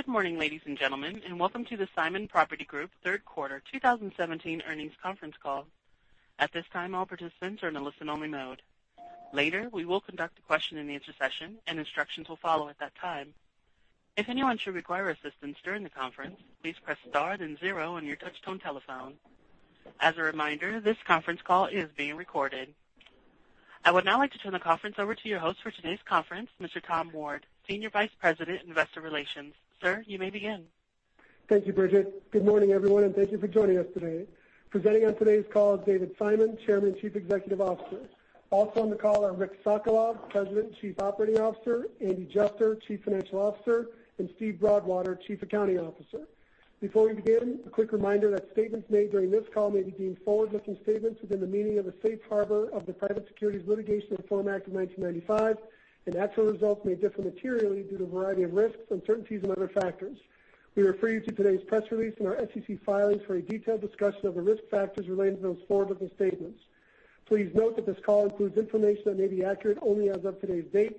Good morning, ladies and gentlemen. Welcome to the Simon Property Group third quarter 2017 earnings conference call. At this time, all participants are in a listen-only mode. Later, we will conduct a question and answer session. Instructions will follow at that time. If anyone should require assistance during the conference, please press star then zero on your touch-tone telephone. As a reminder, this conference call is being recorded. I would now like to turn the conference over to your host for today's conference, Mr. Thomas Ward, Senior Vice President, Investor Relations. Sir, you may begin. Thank you, Bridget. Good morning, everyone. Thank you for joining us today. Presenting on today's call is David Simon, Chairman, Chief Executive Officer. Also on the call are Rick Sokolov, President, Chief Operating Officer, Andrew Juster, Chief Financial Officer, and Steven Broadwater, Chief Accounting Officer. Before we begin, a quick reminder that statements made during this call may be deemed forward-looking statements within the meaning of a safe harbor of the Private Securities Litigation Reform Act of 1995. Actual results may differ materially due to a variety of risks, uncertainties, and other factors. We refer you to today's press release and our SEC filings for a detailed discussion of the risk factors relating to those forward-looking statements. Please note that this call includes information that may be accurate only as of today's date.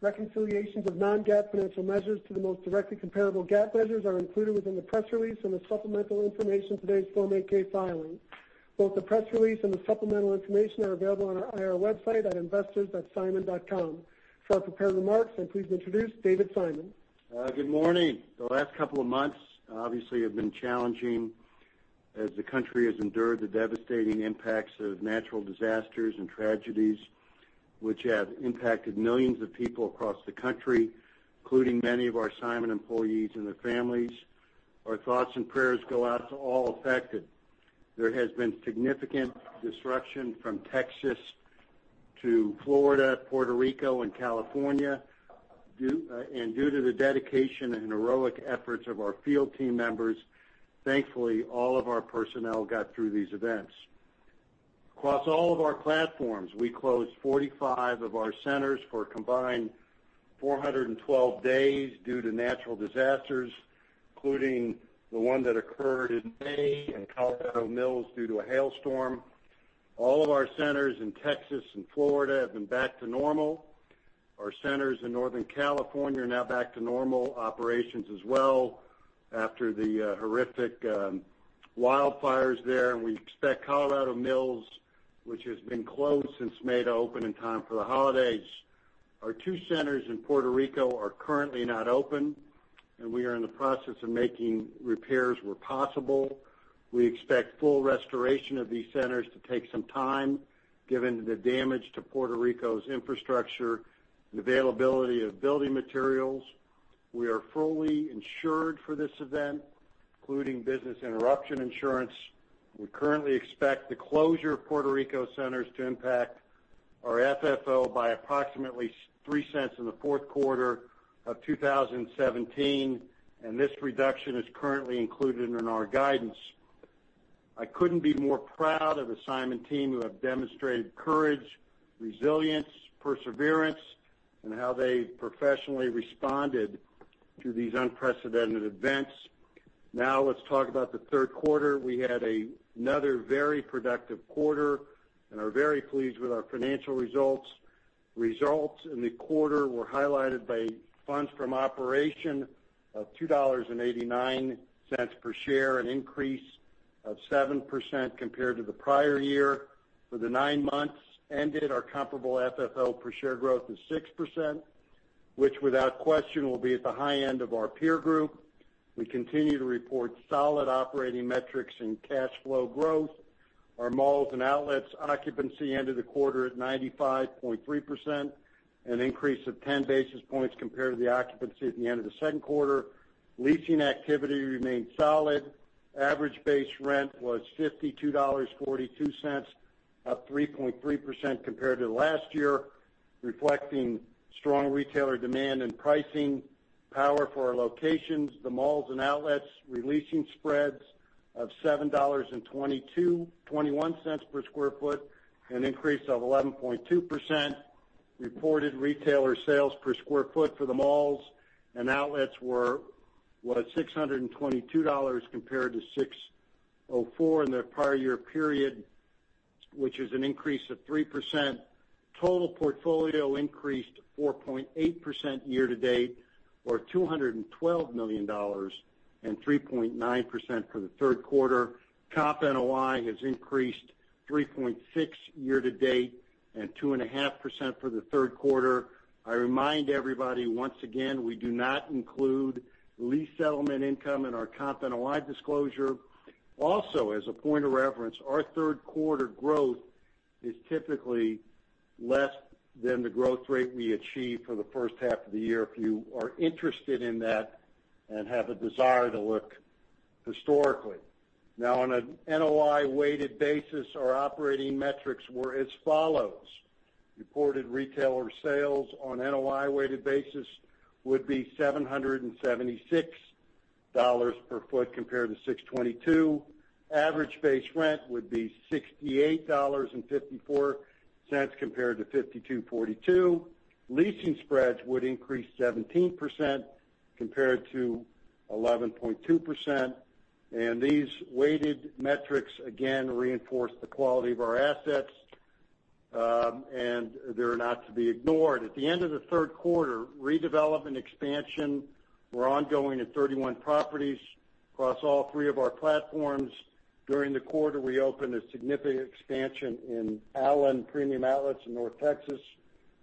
Reconciliations of non-GAAP financial measures to the most directly comparable GAAP measures are included within the press release and the supplemental information today's Form 8-K filing. Both the press release and the supplemental information are available on our IR website at investors.simon.com. For our prepared remarks, I please introduce David Simon. Good morning. The last couple of months obviously have been challenging as the country has endured the devastating impacts of natural disasters and tragedies which have impacted millions of people across the country, including many of our Simon employees and their families. Our thoughts and prayers go out to all affected. There has been significant disruption from Texas to Florida, Puerto Rico, and California. Due to the dedication and heroic efforts of our field team members, thankfully, all of our personnel got through these events. Across all of our platforms, we closed 45 of our centers for a combined 412 days due to natural disasters, including the one that occurred in May in Colorado Mills due to a hailstorm. All of our centers in Texas and Florida have been back to normal. Our centers in Northern California are now back to normal operations as well after the horrific wildfires there. We expect Colorado Mills, which has been closed since May, to open in time for the holidays. Our 2 centers in Puerto Rico are currently not open. We are in the process of making repairs where possible. We expect full restoration of these centers to take some time, given the damage to Puerto Rico's infrastructure and availability of building materials. We are fully insured for this event, including business interruption insurance. We currently expect the closure of Puerto Rico centers to impact our FFO by approximately $0.03 in the fourth quarter of 2017. This reduction is currently included in our guidance. I couldn't be more proud of the Simon team, who have demonstrated courage, resilience, perseverance in how they professionally responded to these unprecedented events. Let's talk about the third quarter. We had another very productive quarter. We are very pleased with our financial results. Results in the quarter were highlighted by funds from operation of $2.89 per share, an increase of 7% compared to the prior year. For the 9 months ended, our comparable FFO per share growth is 6%, which without question will be at the high end of our peer group. We continue to report solid operating metrics and cash flow growth. Our malls and outlets occupancy ended the quarter at 95.3%, an increase of 10 basis points compared to the occupancy at the end of the second quarter. Leasing activity remained solid. Average base rent was $52.42, up 3.3% compared to last year, reflecting strong retailer demand and pricing power for our locations. The malls and outlets re-leasing spreads of $7.21 per sq ft, an increase of 11.2%. Reported retailer sales per sq ft for the malls and outlets was $622 compared to $604 in the prior year period, which is an increase of 3%. Total portfolio increased 4.8% year to date, or $212 million, 3.9% for the third quarter. Comp NOI has increased 3.6% year to date 2.5% for the third quarter. I remind everybody once again, we do not include lease settlement income in our Comp NOI disclosure. As a point of reference, our third quarter growth is typically less than the growth rate we achieve for the first half of the year, if you are interested in that have a desire to look historically. On an NOI-weighted basis, our operating metrics were as follows. Reported retailer sales on NOI-weighted basis would be $776 per foot compared to $622. Average base rent would be $68.54 compared to $52.42. Leasing spreads would increase 17% compared to 11.2%. These weighted metrics, again, reinforce the quality of our assets. They're not to be ignored. At the end of the third quarter, redevelop and expansion were ongoing at 31 properties across all 3 of our platforms. During the quarter, we opened a significant expansion in Allen Premium Outlets in North Texas.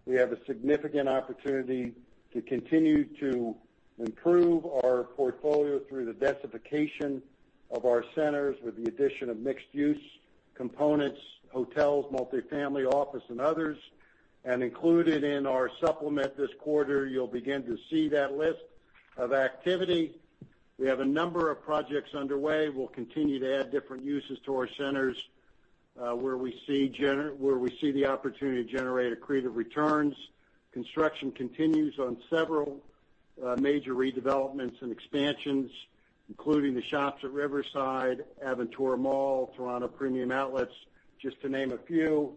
We have a significant opportunity to continue to improve our portfolio through the densification of our centers with the addition of mixed-use components, hotels, multi-family, office, and others. Included in our supplement this quarter, you'll begin to see that list of activity. We have a number of projects underway. We'll continue to add different uses to our centers, where we see the opportunity to generate accretive returns. Construction continues on several major redevelopments and expansions, including The Shops at Riverside, Aventura Mall, Toronto Premium Outlets, just to name a few.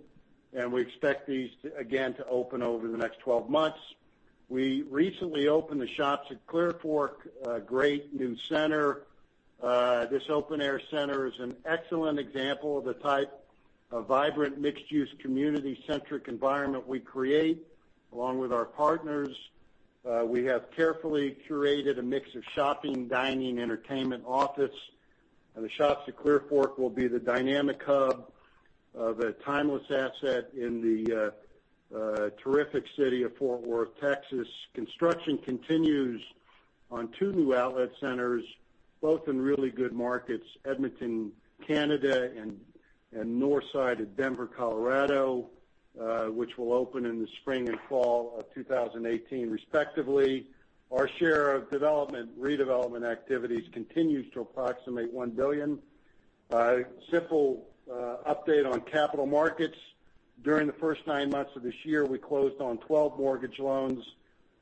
We expect these, again, to open over the next 12 months. We recently opened the Shops at Clearfork, a great new center. This open-air center is an excellent example of the type of vibrant mixed-use, community-centric environment we create. Along with our partners, we have carefully curated a mix of shopping, dining, entertainment, office, and the Shops at Clearfork will be the dynamic hub of a timeless asset in the terrific city of Fort Worth, Texas. Construction continues on two new outlet centers, both in really good markets, Edmonton, Canada, and north side of Denver, Colorado, which will open in the spring and fall of 2018 respectively. Our share of development, redevelopment activities continues to approximate $1 billion. A simple update on capital markets. During the first nine months of this year, we closed on 12 mortgage loans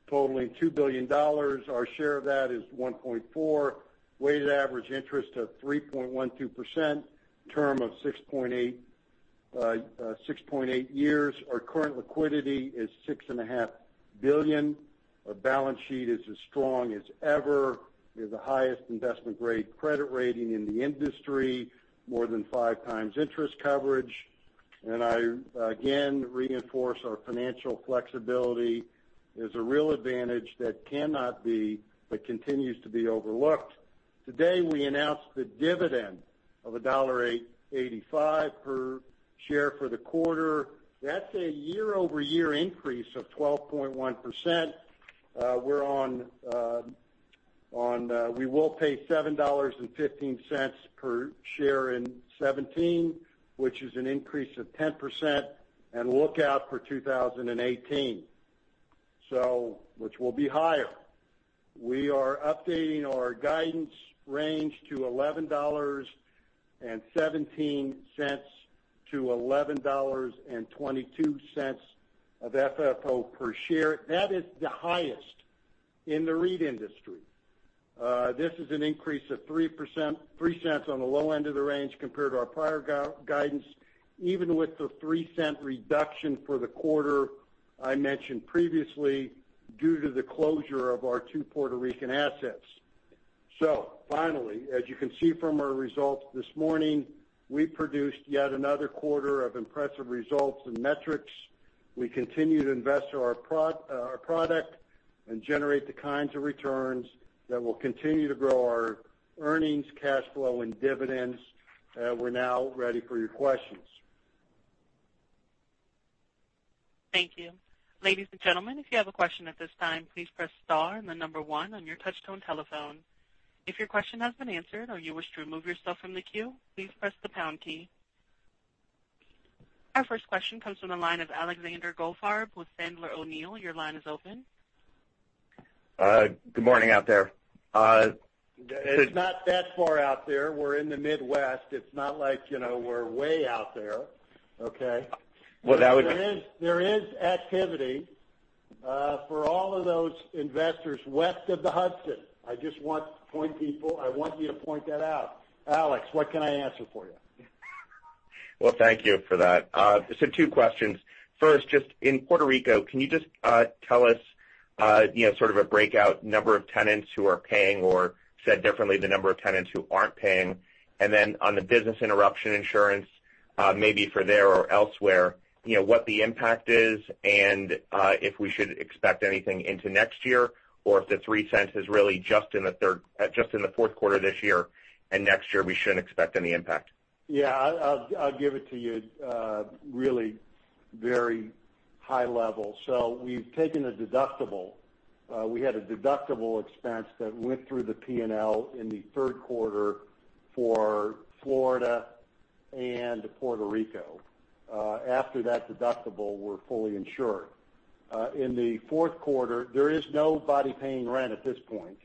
totaling $2 billion. Our share of that is $1.4 billion, weighted average interest of 3.12%, term of 6.8 years. Our current liquidity is $6.5 billion. Our balance sheet is as strong as ever. We have the highest investment-grade credit rating in the industry, more than five times interest coverage. I, again, reinforce our financial flexibility is a real advantage that continues to be overlooked. Today, we announced the dividend of $1.85 per share for the quarter. That's a year-over-year increase of 12.1%. We will pay $7.15 per share in 2017, which is an increase of 10%, and look out for 2018, which will be higher. We are updating our guidance range to $11.17-$11.22 of FFO per share. That is the highest in the REIT industry. This is an increase of $0.03 on the low end of the range compared to our prior guidance, even with the $0.03 reduction for the quarter I mentioned previously due to the closure of our two Puerto Rican assets. Finally, as you can see from our results this morning, we produced yet another quarter of impressive results and metrics. We continue to invest our product and generate the kinds of returns that will continue to grow our earnings, cash flow, and dividends. We're now ready for your questions. Thank you. Ladies and gentlemen, if you have a question at this time, please press star and the number one on your touch-tone telephone. If your question has been answered or you wish to remove yourself from the queue, please press the pound key. Our first question comes from the line of Alexander Goldfarb with Sandler O'Neill. Your line is open. Good morning out there. It's not that far out there. We're in the Midwest. It's not like we're way out there, okay? Well, that would- There is activity for all of those investors west of the Hudson. I want you to point that out. Alex, what can I answer for you? Well, thank you for that. Two questions. First, just in Puerto Rico, can you just tell us sort of a breakout number of tenants who are paying, or said differently, the number of tenants who aren't paying? On the business interruption insurance, maybe for there or elsewhere, what the impact is and if we should expect anything into next year, or if the $0.03 is really just in the fourth quarter this year, and next year we shouldn't expect any impact. Yeah. I'll give it to you really very high level. We've taken a deductible. We had a deductible expense that went through the P&L in the third quarter for Florida and Puerto Rico. After that deductible, we're fully insured. In the fourth quarter, there is nobody paying rent at this point.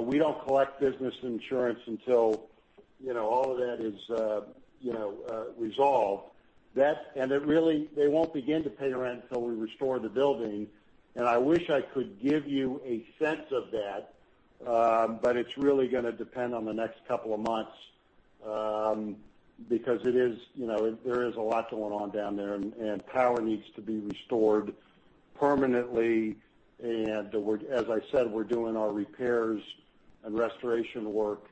We don't collect business insurance until all of that is resolved. They won't begin to pay rent until we restore the building. I wish I could give you a sense of that, but it's really going to depend on the next couple of months, because there is a lot going on down there, and power needs to be restored permanently. As I said, we're doing our repairs and restoration work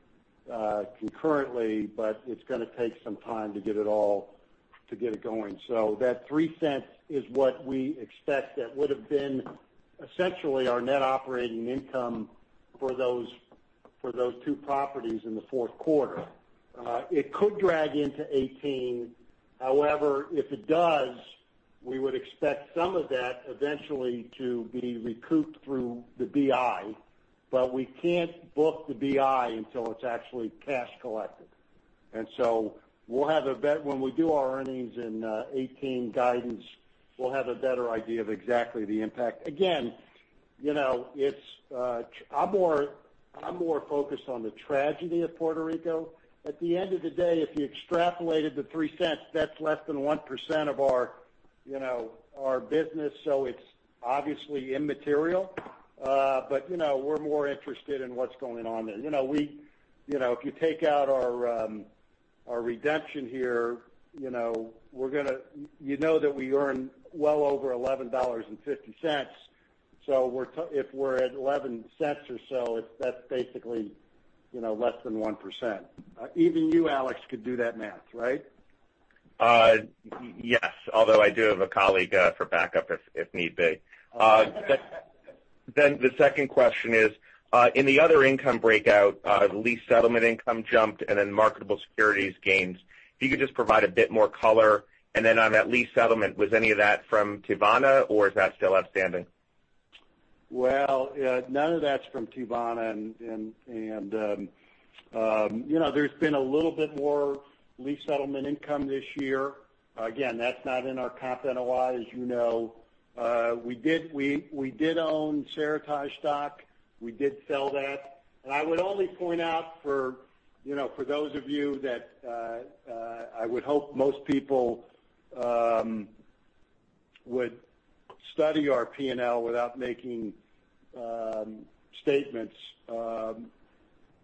concurrently, but it's going to take some time to get it all going. That $0.03 is what we expect that would've been essentially our net operating income for those two properties in the fourth quarter. It could drag into 2018. However, if it does, we would expect some of that eventually to be recouped through the BI, but we can't book the BI until it's actually cash collected. When we do our earnings in 2018 guidance, we'll have a better idea of exactly the impact. Again, I'm more focused on the tragedy of Puerto Rico. At the end of the day, if you extrapolated the $0.03, that's less than 1% of our business, so it's obviously immaterial. We're more interested in what's going on there. If you take out our redemption here, you know that we earn well over $11.50. If we're at $0.11 or so, that's basically less than 1%. Even you, Alex, could do that math, right? Yes. Although I do have a colleague for backup if need be. The second question is, in the other income breakout, lease settlement income jumped, and marketable securities gains. If you could just provide a bit more color. And on that lease settlement, was any of that from Tivona, or is that still outstanding? Well, none of that's from Tivona. There's been a little bit more lease settlement income this year. Again, that's not in our Comp NOI, as you know. We did own Seritage stock. We did sell that. I would only point out for those of you that I would hope most people would study our P&L without making statements,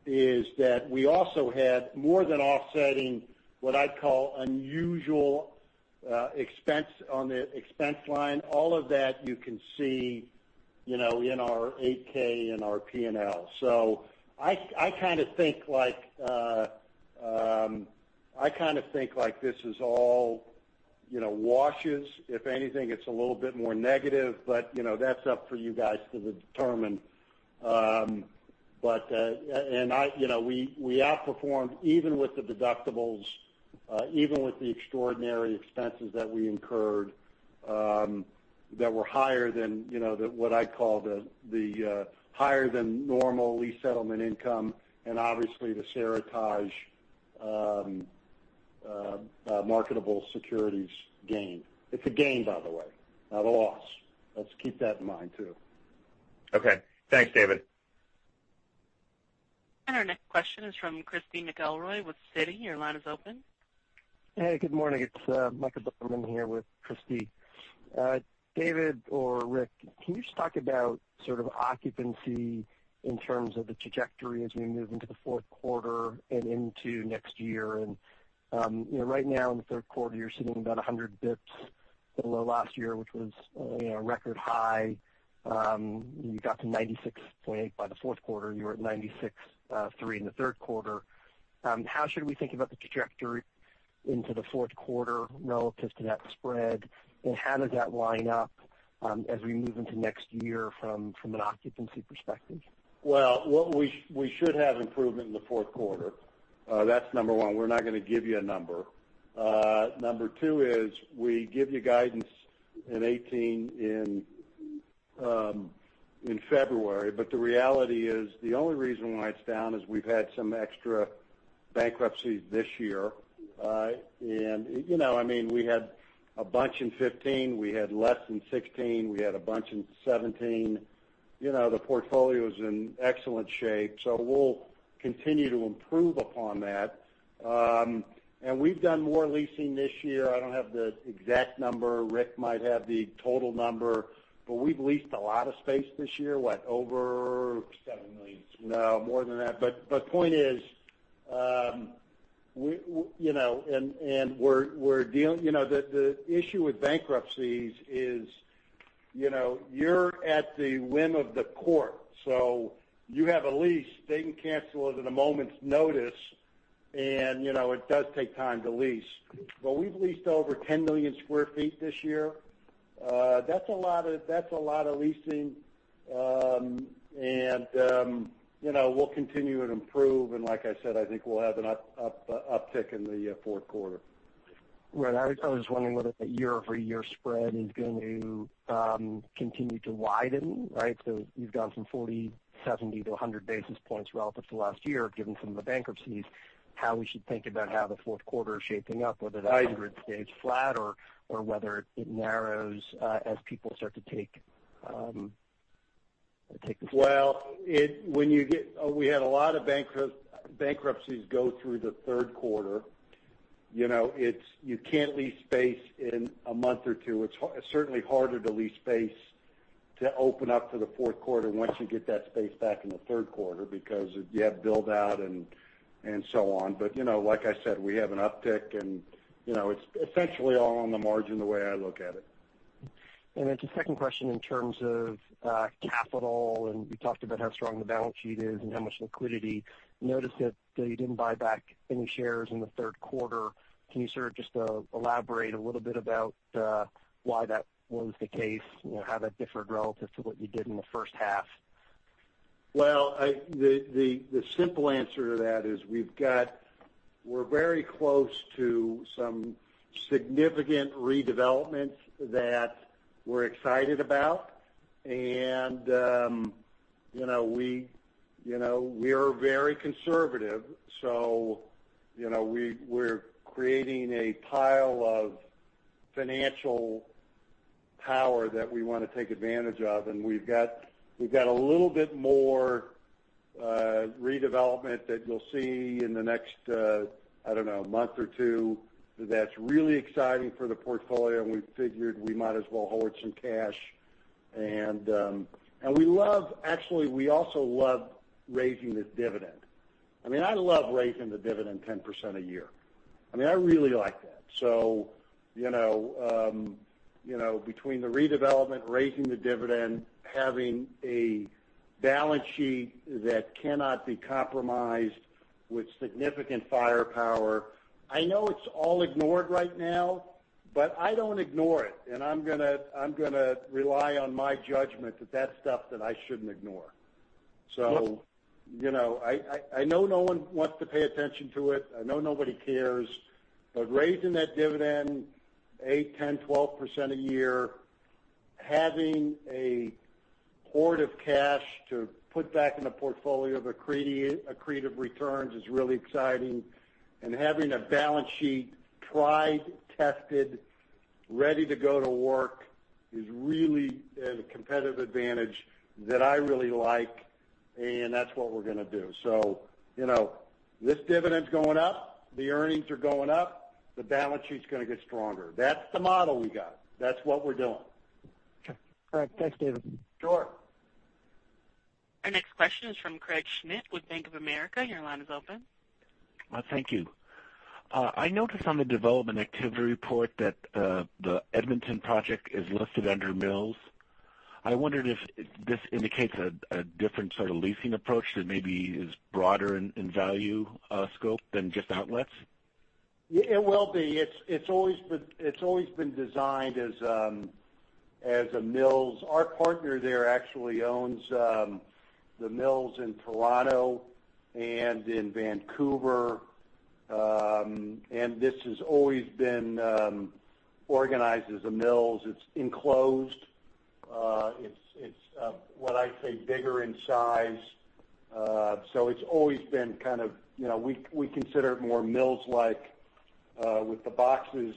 is that we also had more than offsetting what I'd call unusual expense on the expense line. All of that you can see in our 8-K and our P&L. I kind of think this is all washes. If anything, it's a little bit more negative, but that's up for you guys to determine. We outperformed even with the deductibles, even with the extraordinary expenses that we incurred that were higher than what I'd call higher than normal lease settlement income, obviously the Seritage marketable securities gain. It's a gain, by the way, not a loss. Let's keep that in mind, too. Okay. Thanks, David. Our next question is from Christy McElroy with Citi. Your line is open. Hey, good morning. It's Michael Bilerman here with Christy. David or Rick, can you just talk about sort of occupancy in terms of the trajectory as we move into the fourth quarter and into next year? Right now in the third quarter, you're sitting about 100 basis points below last year, which was a record high. You got to 96.8 by the fourth quarter. You were at 96.3 in the third quarter. How should we think about the trajectory into the fourth quarter relative to that spread, and how does that line up as we move into next year from an occupancy perspective? Well, we should have improvement in the fourth quarter. That's number 1. We're not going to give you a number. Number 2 is we give you guidance in 2018 in February. The reality is, the only reason why it's down is we've had some extra bankruptcies this year. We had a bunch in 2015. We had less in 2016. We had a bunch in 2017. The portfolio's in excellent shape, we'll continue to improve upon that. We've done more leasing this year. I don't have the exact number. Rick might have the total number, but we've leased a lot of space this year. What? Seven million. No, more than that. The point is, the issue with bankruptcies is you're at the whim of the court. You have a lease, they can cancel it at a moment's notice, and it does take time to lease. We've leased over 10 million square feet this year. That's a lot of leasing. We'll continue to improve, and like I said, I think we'll have an uptick in the fourth quarter. Right. I was wondering whether that year-over-year spread is going to continue to widen, right? You've gone from 40, 70 to 100 basis points relative to last year, given some of the bankruptcies. How we should think about how the fourth quarter is shaping up, whether that spread stays flat or whether it narrows as people start to take the step. Well, we had a lot of bankruptcies go through the third quarter. You can't lease space in a month or two. It's certainly harder to lease space to open up for the fourth quarter once you get that space back in the third quarter because you have build-out and so on. Like I said, we have an uptick, and it's essentially all on the margin the way I look at it. Just second question in terms of capital, and you talked about how strong the balance sheet is and how much liquidity. Noticed that you didn't buy back any shares in the third quarter. Can you sort of just elaborate a little bit about why that was the case? How that differed relative to what you did in the first half? The simple answer to that is we're very close to some significant redevelopments that we're excited about. We are very conservative, so we're creating a pile of financial power that we want to take advantage of. We've got a little bit more redevelopment that you'll see in the next, I don't know, month or two that's really exciting for the portfolio, and we figured we might as well hold some cash. Actually, we also love raising this dividend. I mean, I love raising the dividend 10% a year. I really like that. Between the redevelopment, raising the dividend, having a balance sheet that cannot be compromised with significant firepower. I know it's all ignored right now, but I don't ignore it, and I'm going to rely on my judgment that that's stuff that I shouldn't ignore. I know no one wants to pay attention to it. I know nobody cares. Raising that dividend 8, 10, 12% a year, having a hoard of cash to put back in the portfolio, the accretive returns is really exciting. Having a balance sheet tried, tested, ready to go to work is really a competitive advantage that I really like, and that's what we're going to do. This dividend's going up, the earnings are going up, the balance sheet's going to get stronger. That's the model we got. That's what we're doing. Okay. All right. Thanks, David. Sure. Our next question is from Craig Schmidt with Bank of America. Your line is open. Thank you. I noticed on the development activity report that the Edmonton project is listed under Mills. I wondered if this indicates a different sort of leasing approach that maybe is broader in value scope than just outlets. It will be. It's always been designed as a Mills. Our partner there actually owns the Mills in Toronto and in Vancouver. This has always been organized as a Mills. It's enclosed. It's what I'd say bigger in size. It's always been We consider it more Mills-like with the boxes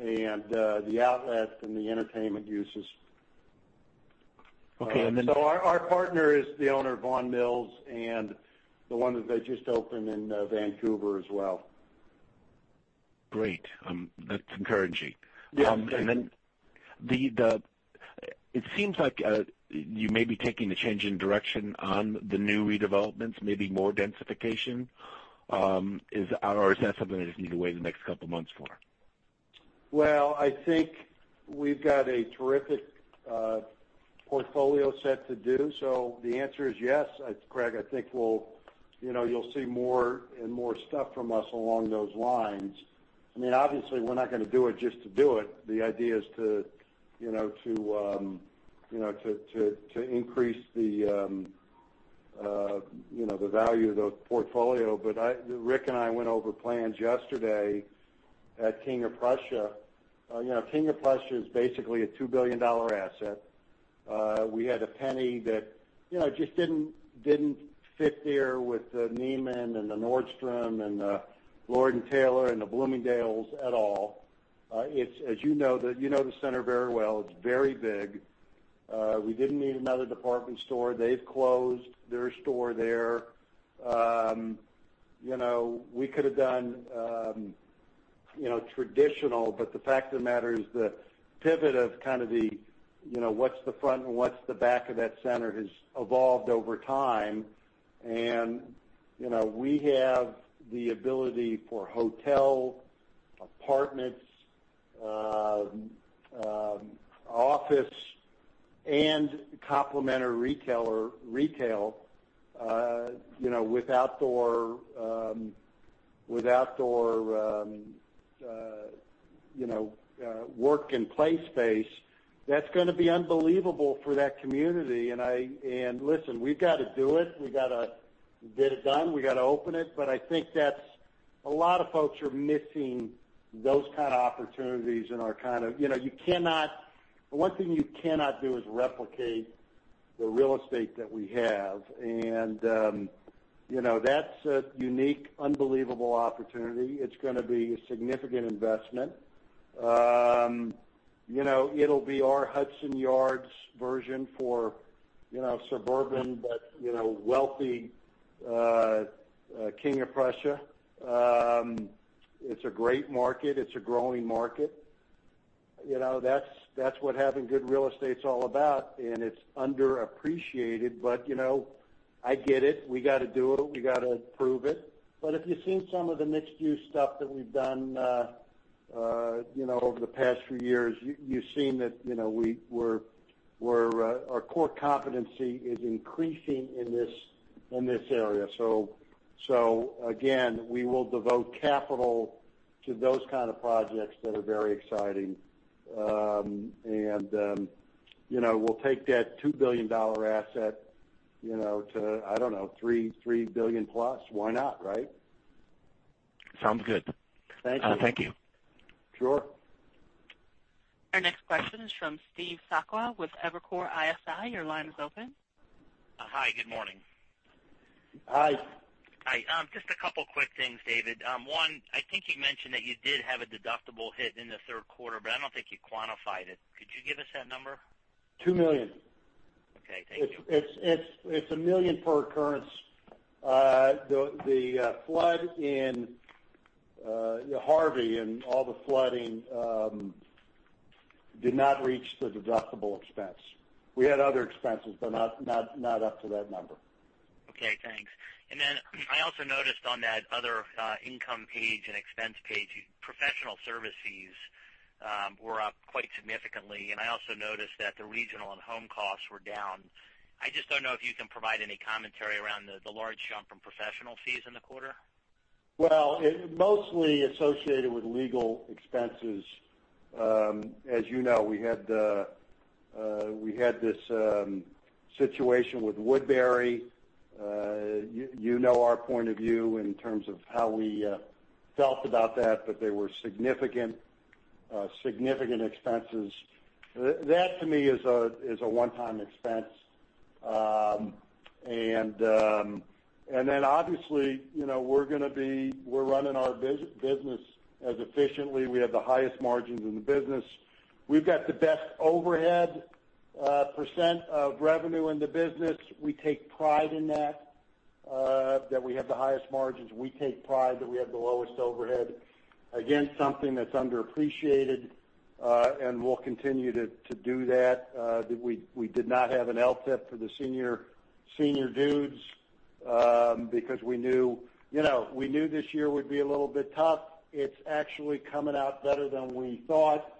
and the outlet and the entertainment uses. Okay. Our partner is the owner of Vaughan Mills and the one that they just opened in Vancouver as well. Great. That's encouraging. Yeah. It seems like you may be taking the change in direction on the new redevelopments, maybe more densification. Is that something I just need to wait the next couple of months for? Well, I think we've got a terrific portfolio set to do, so the answer is yes, Craig. I think you'll see more and more stuff from us along those lines. Obviously, we're not going to do it just to do it. The idea is to increase the value of the portfolio. Rick and I went over plans yesterday at King of Prussia. King of Prussia is basically a $2 billion asset. We had a penny that just didn't fit there with the Neiman and the Nordstrom and the Lord & Taylor and the Bloomingdale's at all. You know the center very well. It's very big. We didn't need another department store. They've closed their store there. We could've done traditional, the fact of the matter is the pivot of kind of the what's the front and what's the back of that center has evolved over time, and we have the ability for hotel, apartments, office, and complementary retail with outdoor work and play space. That's going to be unbelievable for that community. Listen, we've got to do it. We've got to get it done. We've got to open it. I think that a lot of folks are missing those kind of opportunities and are. One thing you cannot do is replicate the real estate that we have. That's a unique, unbelievable opportunity. It's going to be a significant investment. It'll be our Hudson Yards version for suburban but wealthy King of Prussia. It's a great market. It's a growing market. That's what having good real estate's all about. It's underappreciated. I get it. We got to do it. We got to prove it. If you've seen some of the mixed-use stuff that we've done over the past few years, you've seen that our core competency is increasing in this area. Again, we will devote capital to those kind of projects that are very exciting. We'll take that $2 billion asset to, I don't know, $3 billion plus. Why not, right? Sounds good. Thank you. Thank you. Sure. Our next question is from Steve Sakwa with Evercore ISI. Your line is open. Hi, good morning. Hi. Hi. Just a couple quick things, David. One, I think you mentioned that you did have a deductible hit in the third quarter. I don't think you quantified it. Could you give us that number? $2 million. Okay. Thank you. It's $1 million per occurrence. The flood in Hurricane Harvey and all the flooding did not reach the deductible expense. We had other expenses, not up to that number. Okay, thanks. I also noticed on that other income page and expense page, professional service fees were up quite significantly, and I also noticed that the regional and home costs were down. I just don't know if you can provide any commentary around the large jump from professional fees in the quarter. Well, mostly associated with legal expenses. As you know, we had this situation with Woodbury. You know our point of view in terms of how we felt about that, they were significant expenses. That, to me, is a one-time expense. Obviously, we're running our business as efficiently. We have the highest margins in the business. We've got the best overhead percent of revenue in the business. We take pride in that we have the highest margins. We take pride that we have the lowest overhead. Again, something that's underappreciated, and we'll continue to do that. That we did not have an LTIP for the senior dudes, because we knew this year would be a little bit tough. It's actually coming out better than we thought.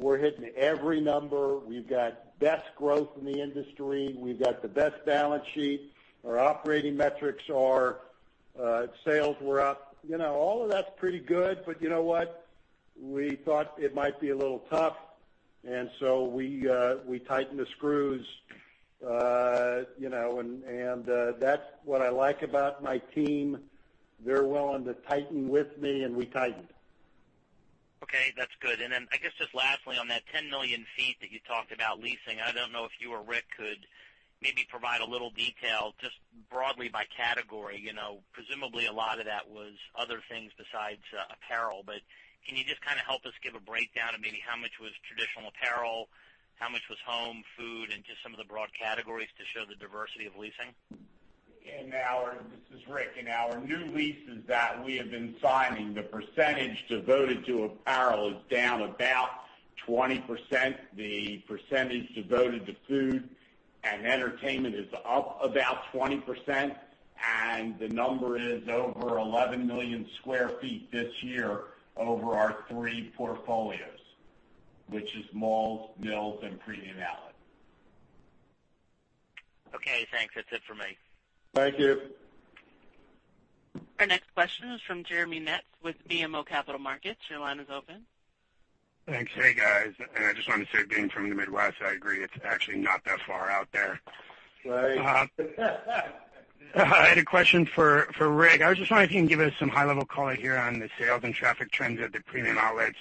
We're hitting every number. We've got best growth in the industry. We've got the best balance sheet. Our operating metrics, our sales were up. All of that's pretty good, you know what? We thought it might be a little tough, we tightened the screws. That's what I like about my team. They're willing to tighten with me, we tightened. Okay, that's good. I guess just lastly, on that 10 million feet that you talked about leasing, I don't know if you or Rick could maybe provide a little detail, just broadly by category. Presumably, a lot of that was other things besides apparel, can you just kind of help us give a breakdown of maybe how much was traditional apparel, how much was home, food, and just some of the broad categories to show the diversity of leasing? This is Rick. In our new leases that we have been signing, the percentage devoted to apparel is down about 20%. The percentage devoted to food and entertainment is up about 20%, the number is over 11 million square feet this year over our three portfolios, which is malls, The Mills, and premium outlets. Okay, thanks. That's it for me. Thank you. Our next question is from Jeremy Metz with BMO Capital Markets. Your line is open. Thanks. Hey, guys. I just wanted to say, being from the Midwest, I agree it's actually not that far out there. Right. I had a question for Rick. I was just wondering if you can give us some high-level color here on the sales and traffic trends at the premium outlets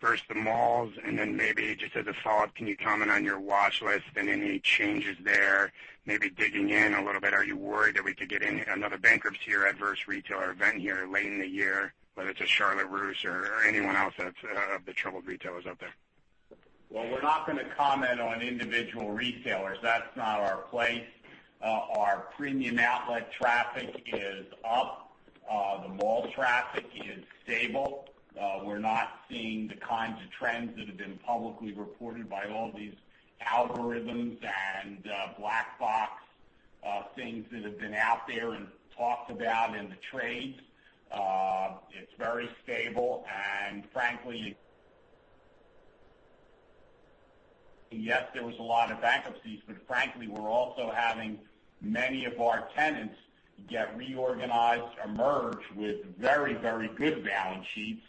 versus the malls. Then maybe just as a follow-up, can you comment on your watch list and any changes there, maybe digging in a little bit? Are you worried that we could get another bankruptcy or adverse retailer event here late in the year, whether it's a Charlotte Russe or anyone else that's of the troubled retailers out there? We're not going to comment on individual retailers. That's not our place. Our premium outlet traffic is up. The mall traffic is stable. We're not seeing the kinds of trends that have been publicly reported by all these algorithms and black box things that have been out there and talked about in the trades. It's very stable, and frankly yes, there was a lot of bankruptcies, but frankly, we're also having many of our tenants get reorganized or merged with very good balance sheets.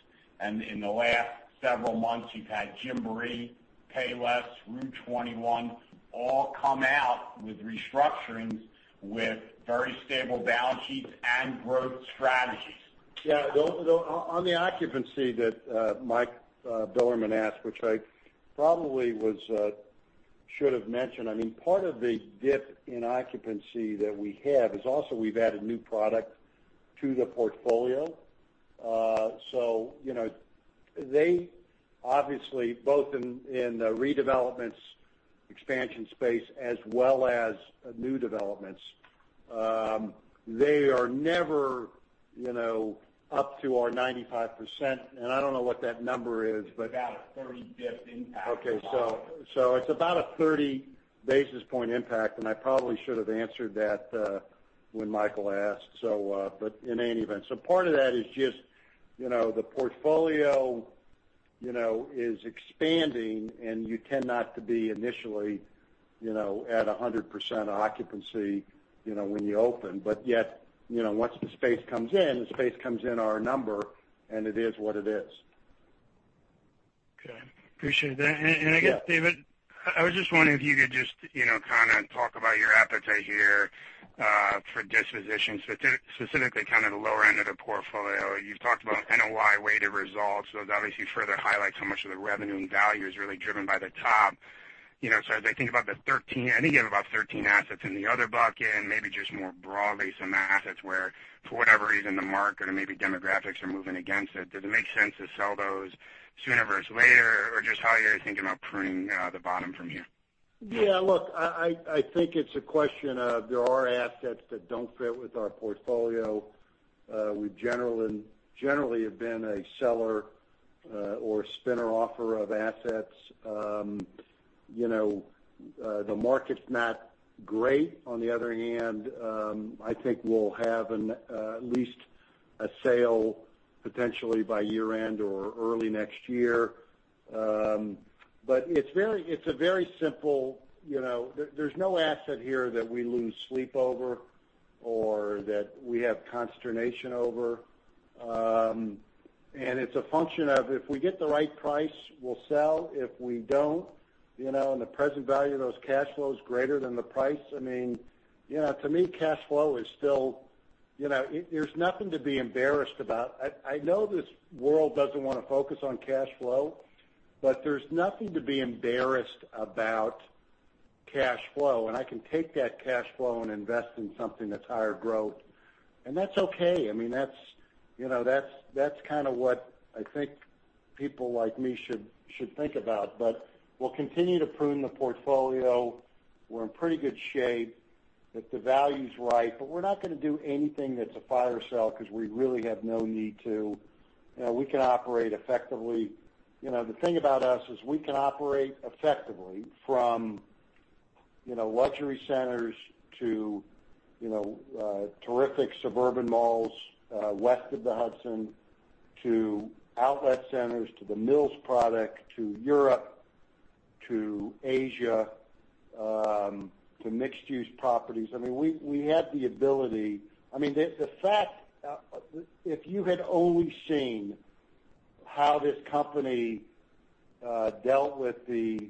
In the last several months, you've had Gymboree, Payless, rue21, all come out with restructurings with very stable balance sheets and growth strategies. On the occupancy that Michael Bilerman asked, which I probably should've mentioned, part of the dip in occupancy that we have is also we've added new product to the portfolio. They obviously, both in the redevelopments expansion space as well as new developments. They are never up to our 95%, and I don't know what that number is. About a 30 basis points impact. It's about a 30 basis points impact, and I probably should've answered that when Michael asked. In any event, part of that is just the portfolio is expanding, and you tend not to be initially at 100% occupancy when you open. Yet, once the space comes in, the space comes in our number, and it is what it is. Okay. Appreciate that. Yeah. I guess, David, I was just wondering if you could just kind of talk about your appetite here for dispositions, specifically kind of the lower end of the portfolio. You've talked about NOI weighted results. That makes you further highlight how much of the revenue and value is really driven by the top. As I think about the 13, I think you have about 13 assets in the other bucket, and maybe just more broadly, some assets where, for whatever reason, the market or maybe demographics are moving against it. Does it make sense to sell those sooner versus later? Just how you're thinking about pruning the bottom from here? Look, I think it's a question of there are assets that don't fit with our portfolio. We generally have been a seller or spin-off of assets. The market's not great. On the other hand, I think we'll have at least a sale potentially by year end or early next year. It's a very simple. There's no asset here that we lose sleep over or that we have consternation over. It's a function of, if we get the right price, we'll sell. If we don't, and the present value of those cash flows greater than the price, to me, cash flow is still. There's nothing to be embarrassed about. I know this world doesn't want to focus on cash flow, but there's nothing to be embarrassed about cash flow. I can take that cash flow and invest in something that's higher growth, and that's okay. That's kind of what I think people like me should think about. We'll continue to prune the portfolio. We're in pretty good shape if the value's right. We're not going to do anything that's a fire sale because we really have no need to. We can operate effectively. The thing about us is we can operate effectively from luxury centers to terrific suburban malls west of the Hudson, to outlet centers, to The Mills product, to Europe, to Asia, to mixed-use properties. We have the ability. If you had only seen how this company dealt with these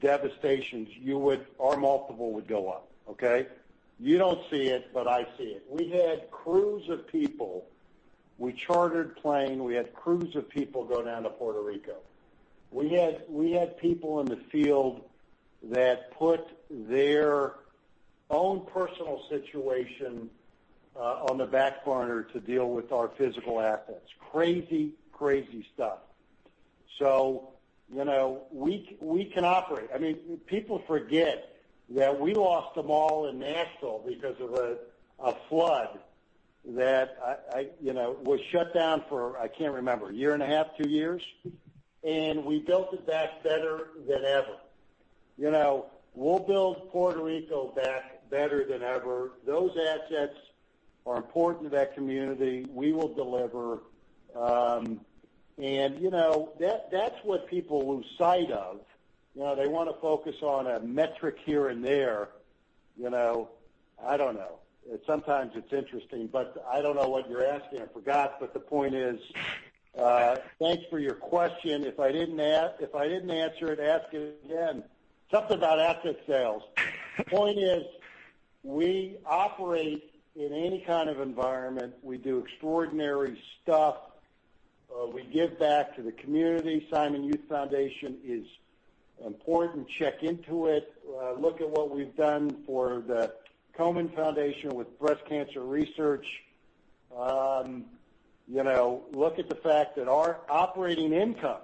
devastations, our multiple would go up. Okay. You don't see it, but I see it. We chartered a plane. We had crews of people go down to Puerto Rico. We had people in the field that put their own personal situation on the back burner to deal with our physical assets. Crazy stuff. We can operate. People forget that we lost a mall in Nashville because of a flood that was shut down for, I cannot remember, a year and a half, two years. We built it back better than ever. We will build Puerto Rico back better than ever. Those assets are important to that community. We will deliver. That is what people lose sight of. They want to focus on a metric here and there. I do not know. Sometimes it is interesting, but I do not know what you are asking. I forgot. The point is, thanks for your question. If I did not answer it, ask it again. Something about asset sales. The point is, we operate in any kind of environment. We do extraordinary stuff. We give back to the community. Simon Youth Foundation is important. Check into it. Look at what we have done for the Komen Foundation with breast cancer research. Look at the fact that our operating income,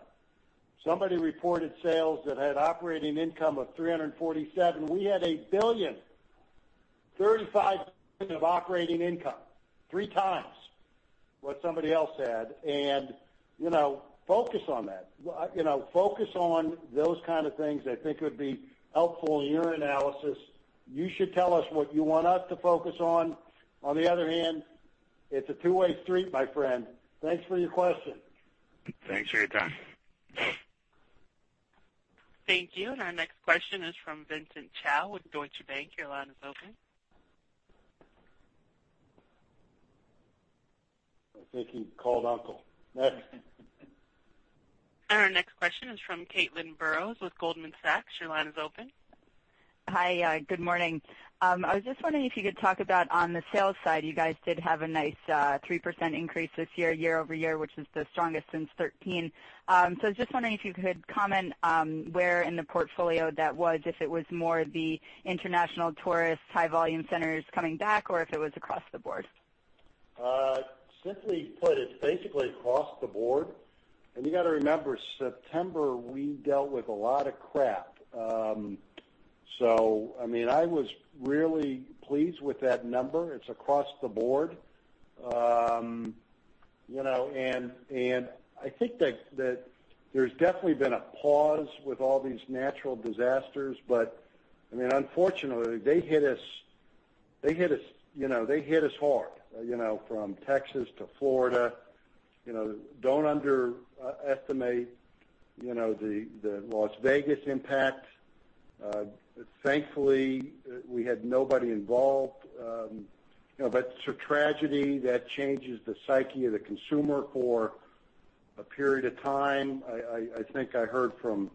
somebody reported sales that had operating income of $347. We had $1 billion, $35 billion of operating income. Three times what somebody else had. Focus on that. Focus on those kind of things I think would be helpful in your analysis. You should tell us what you want us to focus on. On the other hand, it is a two-way street, my friend. Thanks for your question. Thanks for your time. Thank you. Our next question is from Vincent Chao with Deutsche Bank. Your line is open. I think he called uncle. Next. Our next question is from Caitlin Burrows with Goldman Sachs. Your line is open. Hi, good morning. I was just wondering if you could talk about on the sales side, you guys did have a nice 3% increase this year-over-year, which is the strongest since 2013. Just wondering if you could comment where in the portfolio that was, if it was more the international tourist high volume centers coming back, or if it was across the board. Simply put, it's basically across the board. You got to remember, September, we dealt with a lot of crap. I was really pleased with that number. It's across the board. I think that there's definitely been a pause with all these natural disasters. Unfortunately, they hit us hard from Texas to Florida. Don't underestimate the Las Vegas impact. Thankfully, we had nobody involved. It's a tragedy that changes the psyche of the consumer for a period of time. I think I heard from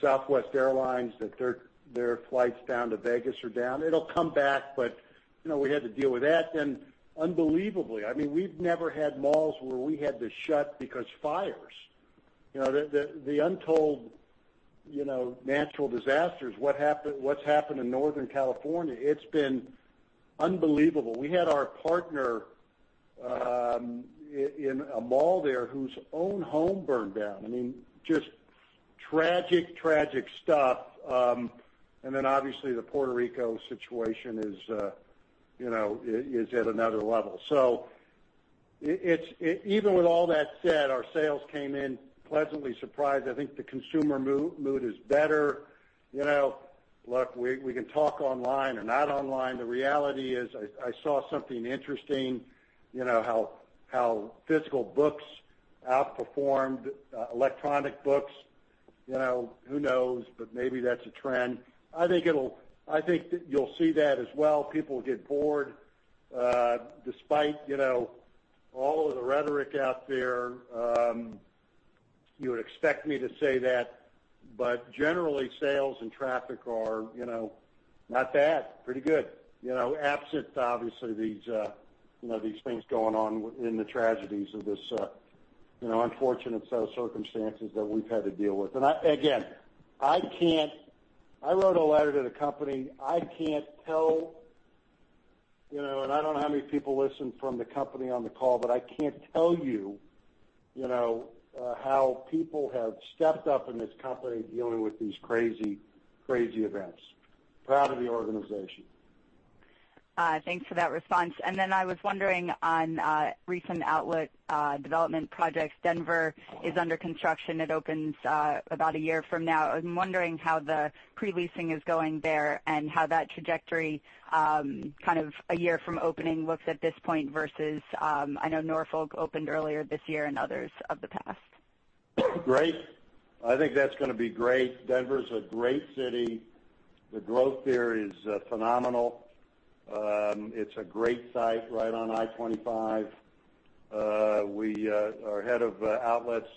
Southwest Airlines that their flights down to Vegas are down. It'll come back, but we had to deal with that. Unbelievably, we've never had malls where we had to shut because fires. The untold natural disasters, what's happened in Northern California, it's been unbelievable. We had our partner in a mall there whose own home burned down. Just tragic stuff. Obviously the Puerto Rico situation is at another level. Even with all that said, our sales came in pleasantly surprised. I think the consumer mood is better. Look, we can talk online or not online. The reality is, I saw something interesting, how physical books outperformed electronic books. Who knows? Maybe that's a trend. I think that you'll see that as well. People get bored. Despite all of the rhetoric out there, you would expect me to say that, but generally, sales and traffic are not bad, pretty good. Absent, obviously these things going on in the tragedies of this unfortunate set of circumstances that we've had to deal with. Again, I wrote a letter to the company. I don't know how many people listen from the company on the call, but I can't tell you how people have stepped up in this company dealing with these crazy events. Proud of the organization. Thanks for that response. I was wondering on recent outlet development projects. Denver is under construction. It opens about a year from now. I'm wondering how the pre-leasing is going there and how that trajectory kind of a year from opening looks at this point versus, I know Norfolk opened earlier this year and others of the past. Great. I think that's going to be great. Denver is a great city. The growth there is phenomenal. It's a great site right on I-25. Our head of outlets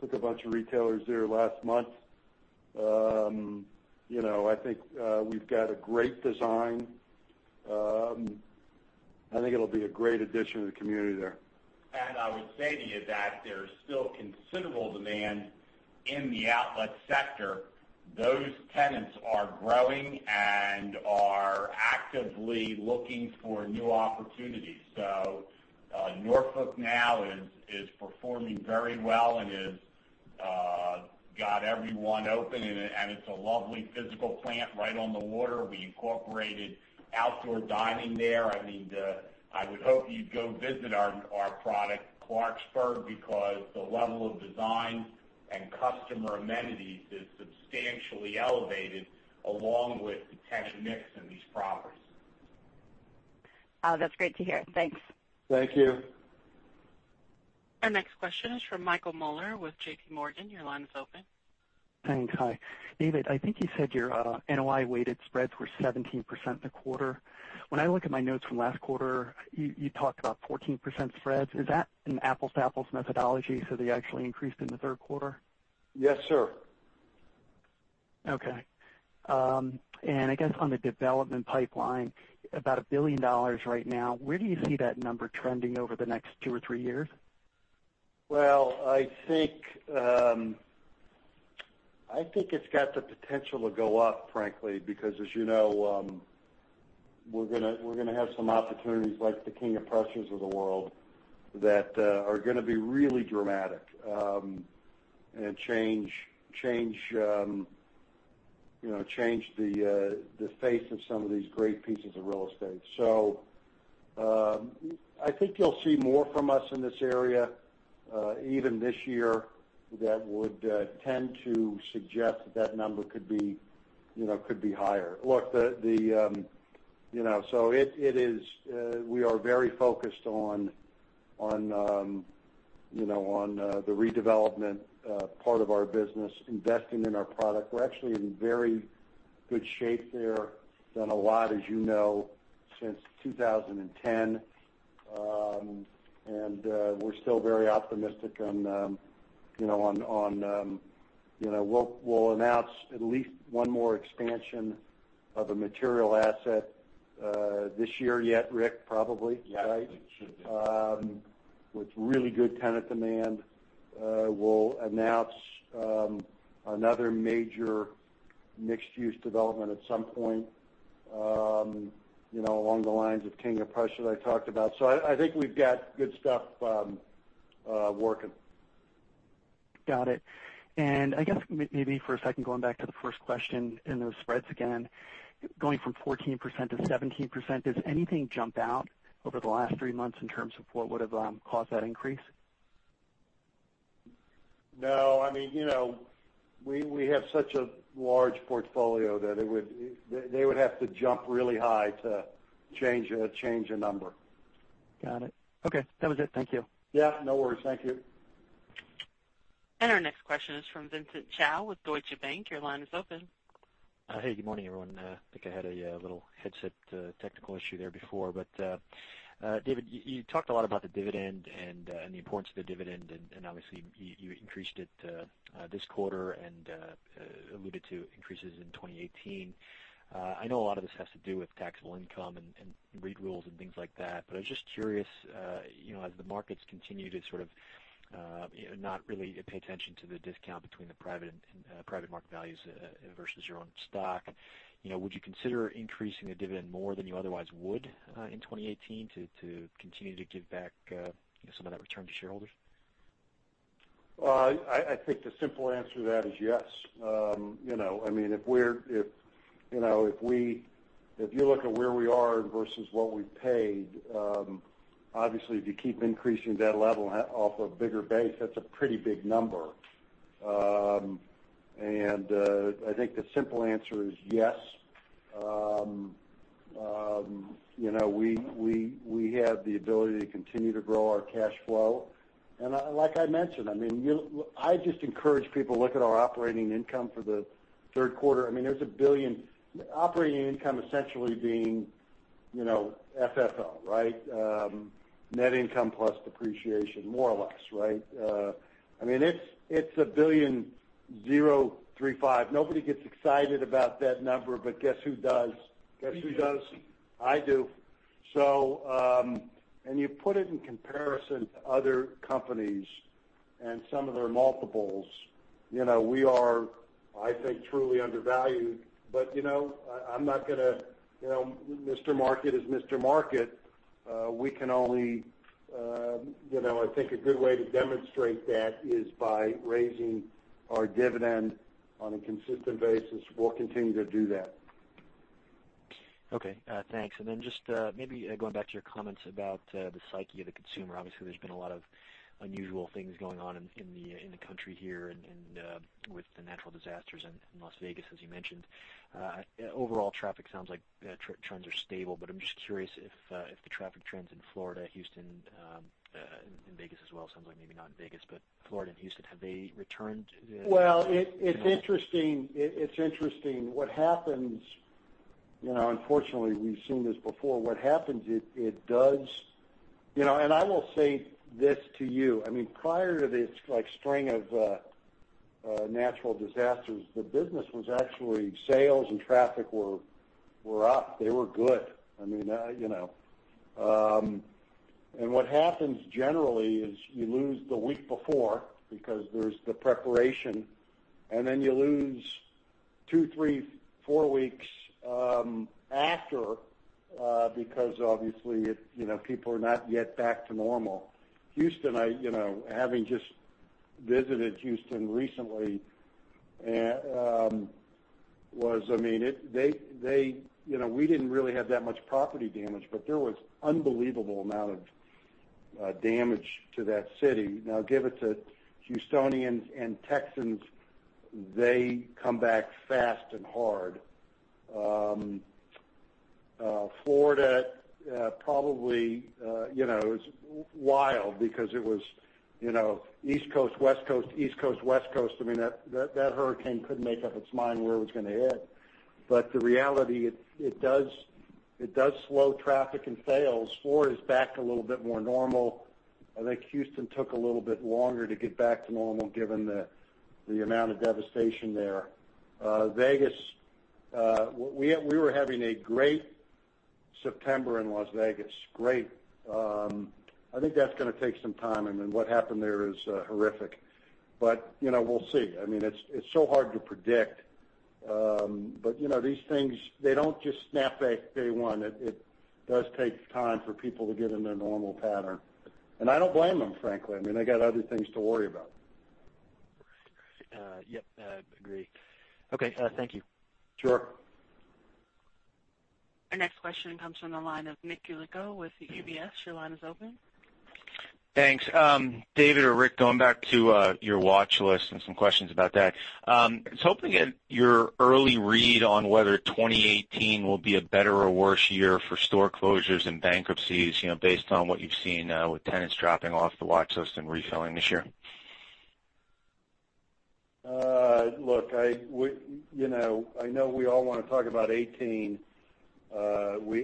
took a bunch of retailers there last month. I think we've got a great design. I think it'll be a great addition to the community there. I would say to you that there's still considerable demand in the outlet sector. Those tenants are growing and are actively looking for new opportunities. Norfolk now is performing very well and has got everyone open, and it's a lovely physical plant right on the water. We incorporated outdoor dining there. I would hope you'd go visit our product, Clarksburg, because the level of design and customer amenities is substantially elevated along with the tenant mix in these properties. That's great to hear. Thanks. Thank you. Our next question is from Michael Mueller with JPMorgan. Your line is open. Thanks. Hi. David, I think you said your NOI weighted spreads were 17% in the quarter. When I look at my notes from last quarter, you talked about 14% spreads. Is that an apples to apples methodology, so they actually increased in the third quarter? Yes, sir. Okay. I guess on the development pipeline, about $1 billion right now, where do you see that number trending over the next two or three years? Well, I think it's got the potential to go up, frankly, because as you know, we're going to have some opportunities like the King of Prussias of the world that are going to be really dramatic and change the face of some of these great pieces of real estate. I think you'll see more from us in this area, even this year, that would tend to suggest that that number could be higher. Look, we are very focused on the redevelopment part of our business, investing in our product. We're actually in very good shape there. Done a lot, as you know, since 2010. We're still very optimistic. We'll announce at least one more expansion of a material asset this year yet, Rick, probably, right? Yeah, it should be. With really good tenant demand. We'll announce another major mixed-use development at some point, along the lines of King of Prussia that I talked about. I think we've got good stuff working. Got it. I guess maybe for a second, going back to the first question in those spreads again, going from 14% to 17%, does anything jump out over the last three months in terms of what would've caused that increase? No. We have such a large portfolio that they would have to jump really high to change a number. Got it. Okay. That was it. Thank you. Yeah, no worries. Thank you. Our next question is from Vincent Chao with Deutsche Bank. Your line is open. Hey, good morning, everyone. I think I had a little headset technical issue there before. David, you talked a lot about the dividend and the importance of the dividend, and obviously, you increased it this quarter and alluded to increases in 2018. I know a lot of this has to do with taxable income and REIT rules and things like that, but I was just curious, as the markets continue to sort of not really pay attention to the discount between the private market values versus your own stock, would you consider increasing the dividend more than you otherwise would in 2018 to continue to give back some of that return to shareholders? I think the simple answer to that is yes. If you look at where we are versus what we paid, obviously, if you keep increasing that level off a bigger base, that's a pretty big number. I think the simple answer is yes. We have the ability to continue to grow our cash flow. Like I mentioned, I just encourage people to look at our operating income for the third quarter. There's a $1 billion Operating income essentially being FFO, right? Net income plus depreciation, more or less, right? It's $1,000,035. Nobody gets excited about that number, but guess who does? Guess who does? I do. You put it in comparison to other companies and some of their multiples. We are, I think, truly undervalued. Mr. Market is Mr. Market. I think a good way to demonstrate that is by raising our dividend on a consistent basis. We'll continue to do that. Okay, thanks. Then just maybe going back to your comments about the psyche of the consumer. Obviously, there's been a lot of unusual things going on in the country here and with the natural disasters in Las Vegas, as you mentioned. Overall traffic sounds like trends are stable, but I'm just curious if the traffic trends in Florida, Houston, in Vegas as well, sounds like maybe not in Vegas. Florida and Houston, have they returned to the- Well, it's interesting. Unfortunately, we've seen this before. I will say this to you. Prior to this string of natural disasters, the business was actually, sales and traffic were up. They were good. What happens generally is you lose the week before because there's the preparation, and then you lose two, three, four weeks after, because obviously, people are not yet back to normal. Houston, having just visited Houston recently, we didn't really have that much property damage, but there was unbelievable amount of damage to that city. Now, give it to Houstonians and Texans, they come back fast and hard. Florida, probably, it's wild because it was East Coast, West Coast. That hurricane couldn't make up its mind where it was gonna hit. The reality, it does slow traffic and sales. Florida is back to a little bit more normal. I think Houston took a little bit longer to get back to normal given the amount of devastation there. Vegas, we were having a great September in Las Vegas. Great. I think that's going to take some time, what happened there is horrific. We'll see. It's so hard to predict. These things, they don't just snap back day one. It does take time for people to get in their normal pattern. I don't blame them, frankly. They got other things to worry about. Yep, agree. Okay, thank you. Sure. Our next question comes from the line of Nick Yulico with UBS. Your line is open. Thanks. David or Rick, going back to your watch list and some questions about that. I was hoping to get your early read on whether 2018 will be a better or worse year for store closures and bankruptcies, based on what you've seen now with tenants dropping off the watch list and refilling this year. Look, I know we all wanna talk about 2018.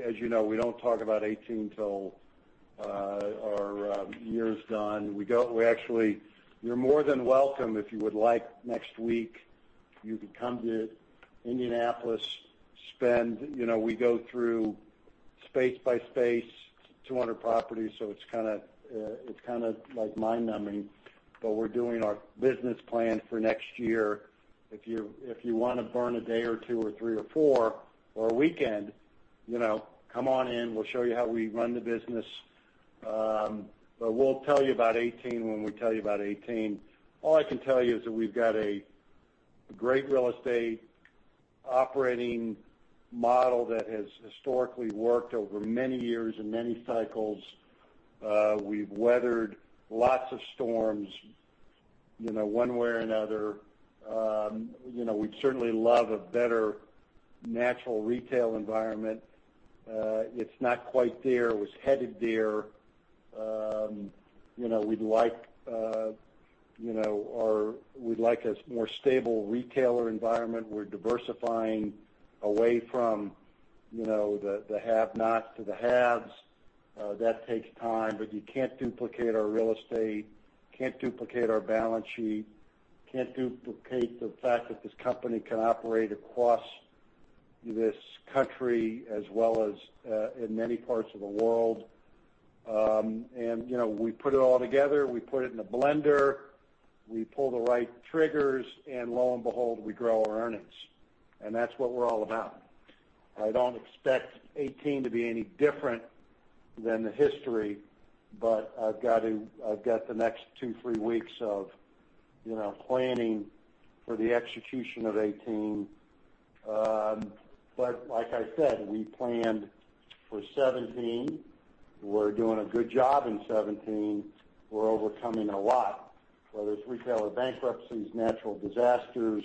As you know, we don't talk about 2018 till our year is done. You're more than welcome if you would like, next week, you can come to Indianapolis Spend. We go through space by space, 200 properties, so it's kind of mind-numbing. We're doing our business plan for next year. If you want to burn a day or two or three or four, or a weekend, come on in, we'll show you how we run the business. We'll tell you about 2018 when we tell you about 2018. All I can tell you is that we've got a great real estate operating model that has historically worked over many years and many cycles. We've weathered lots of storms, one way or another. We'd certainly love a better natural retail environment. It's not quite there. It was headed there. We'd like a more stable retailer environment. We're diversifying away from the have-nots to the haves. That takes time. You can't duplicate our real estate, can't duplicate our balance sheet, can't duplicate the fact that this company can operate across this country as well as in many parts of the world. We put it all together, we put it in a blender, we pull the right triggers, and lo and behold, we grow our earnings. That's what we're all about. I don't expect 2018 to be any different than the history, I've got the next two, three weeks of planning for the execution of 2018. Like I said, we planned for 2017. We're doing a good job in 2017. We're overcoming a lot, whether it's retailer bankruptcies, natural disasters,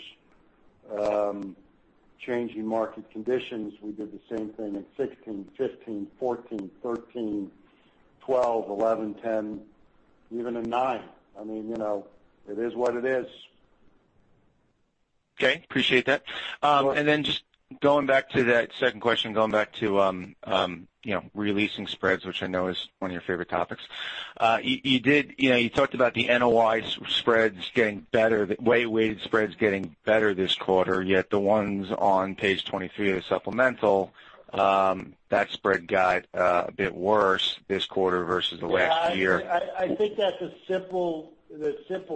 changing market conditions. We did the same thing in 2016, 2015, 2014, 2013, 2012, 2011, 2010, even in 2009. I mean, it is what it is. Okay. Appreciate that. You're welcome. Just going back to that second question, going back to re-leasing spreads, which I know is one of your favorite topics. You talked about the NOI spreads getting better, the weight spreads getting better this quarter, yet the ones on page 23 of the supplemental, that spread got a bit worse this quarter versus the last year. I think the simple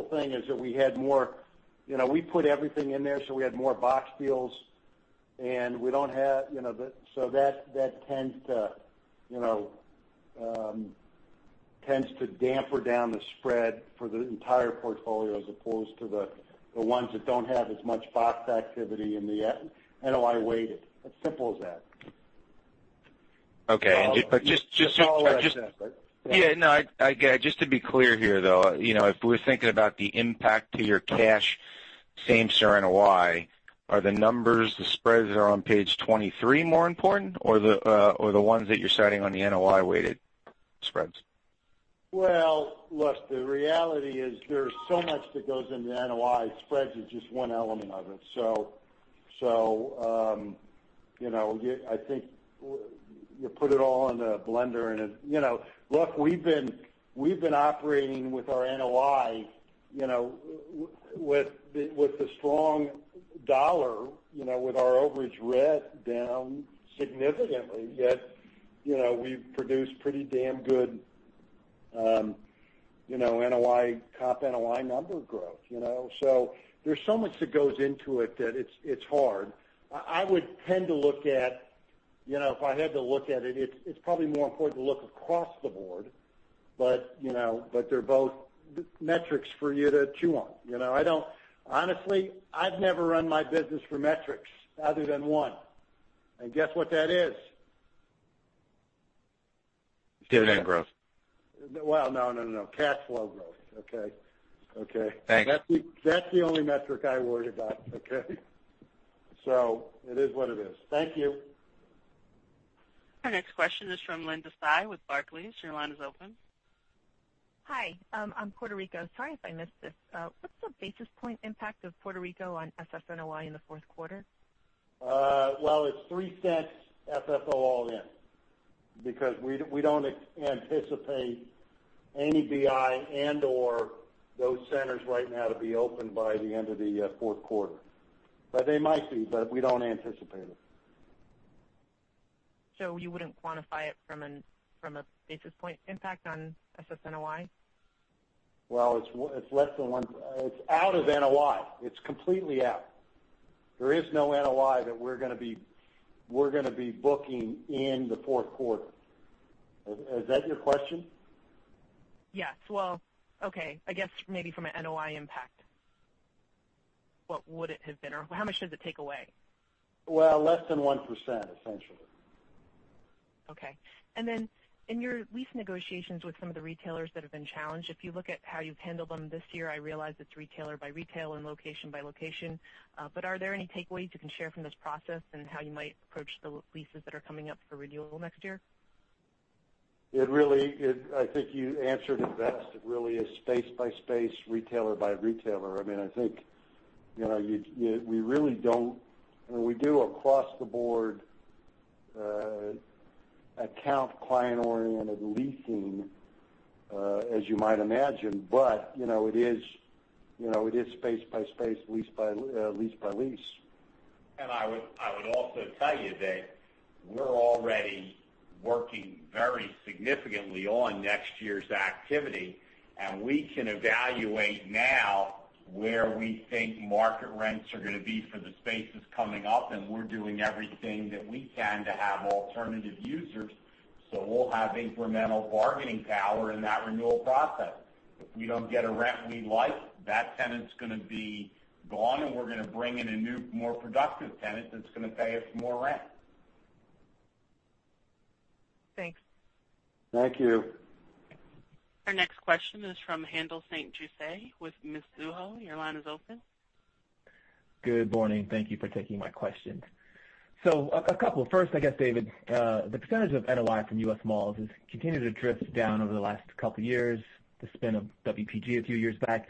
thing is that we put everything in there, we had more box deals. That tends to damper down the spread for the entire portfolio as opposed to the ones that don't have as much box activity in the NOI weight. It's simple as that. Okay. That's all I said, right? Yeah. Yeah, no, just to be clear here, though, if we're thinking about the impact to your cash same-store NOI, are the numbers, the spreads that are on page 23 more important, or the ones that you're citing on the NOI-weighted spreads? Well, look, the reality is there's so much that goes into NOI. Spreads is just one element of it. I think you put it all in a blender and Look, we've been operating with our NOI, with the strong dollar, with our overage rent down significantly, yet we've produced pretty damn good Comp NOI number growth. There's so much that goes into it that it's hard. If I had to look at it's probably more important to look across the board, they're both metrics for you to chew on. Honestly, I've never run my business for metrics other than one. Guess what that is? Dividend growth. Well, no. Cash flow growth. Okay? Thanks. That's the only metric I worry about, okay? It is what it is. Thank you. Our next question is from Linda Tsai with Barclays. Your line is open. Hi. On Puerto Rico, sorry if I missed this. What's the basis point impact of Puerto Rico on SSNOI in the fourth quarter? It's $0.03 FFO all-in. We don't anticipate any BI and/or those centers right now to be open by the end of the fourth quarter. They might be, but we don't anticipate it. You wouldn't quantify it from a basis point impact on SSNOI? It's less than one. It's out of NOI. It's completely out. There is no NOI that we're going to be booking in the fourth quarter. Is that your question? Yes. Okay. I guess maybe from an NOI impact, what would it have been, or how much does it take away? Less than 1%, essentially. Okay. Then in your lease negotiations with some of the retailers that have been challenged, if you look at how you've handled them this year, I realize it's retailer by retailer and location by location, are there any takeaways you can share from this process and how you might approach the leases that are coming up for renewal next year? I think you answered it best. It really is space by space, retailer by retailer. We do across the board Account client-oriented leasing, as you might imagine, it is space by space, lease by lease. I would also tell you that we're already working very significantly on next year's activity, we can evaluate now where we think market rents are going to be for the spaces coming up, we're doing everything that we can to have alternative users, we'll have incremental bargaining power in that renewal process. If we don't get a rent we like, that tenant's going to be gone, we're going to bring in a new, more productive tenant that's going to pay us more rent. Thanks. Thank you. Our next question is from Haendel St. Juste with Mizuho. Your line is open. Good morning. Thank you for taking my questions. A couple. First, I guess, David, the percentage of NOI from U.S. malls has continued to drift down over the last couple of years. The spin of WPG a few years back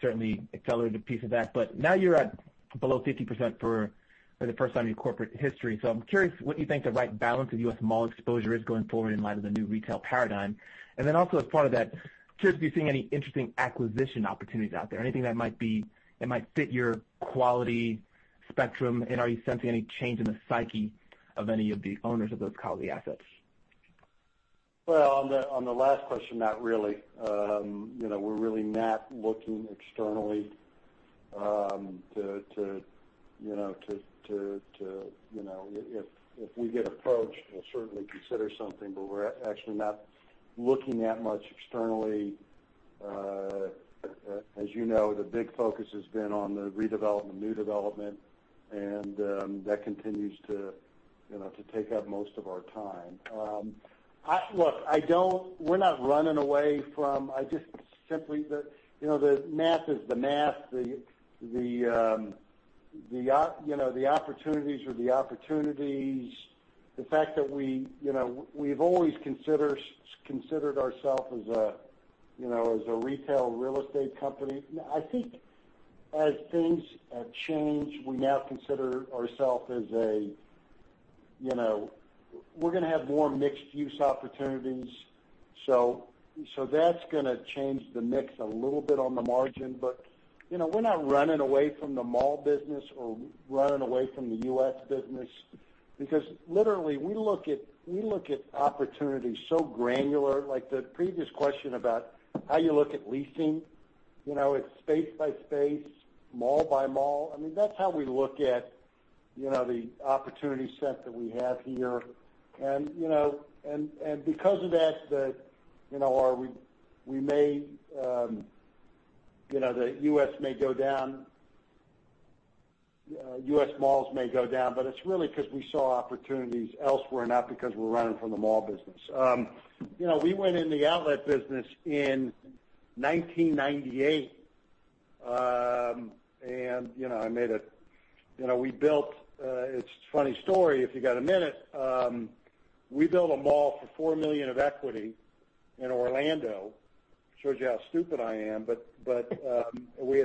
certainly accelerated a piece of that. But now you're at below 50% for the first time in your corporate history. I'm curious what you think the right balance of U.S. mall exposure is going forward in light of the new retail paradigm. Then also as part of that, curious if you're seeing any interesting acquisition opportunities out there, anything that might fit your quality spectrum, and are you sensing any change in the psyche of any of the owners of those quality assets? Well, on the last question, not really. We're really not looking externally. If we get approached, we'll certainly consider something, but we're actually not looking that much externally. As you know, the big focus has been on the redevelopment, new development, and that continues to take up most of our time. Look, we're not running away from. Just simply, the math is the math, the opportunities are the opportunities. The fact that we've always considered ourself as a retail real estate company. I think as things have changed, we now consider ourself. We're going to have more mixed-use opportunities. That's going to change the mix a little bit on the margin. But we're not running away from the mall business or running away from the U.S. business because literally we look at opportunities so granular. Like the previous question about how you look at leasing. It's space by space, mall by mall. That's how we look at the opportunity set that we have here. Because of that, the U.S. may go down, U.S. malls may go down, but it's really because we saw opportunities elsewhere, not because we're running from the mall business. We went in the outlet business in 1998. It's a funny story, if you got a minute. We built a mall for $4 million of equity in Orlando. Shows you how stupid I am. Okay. We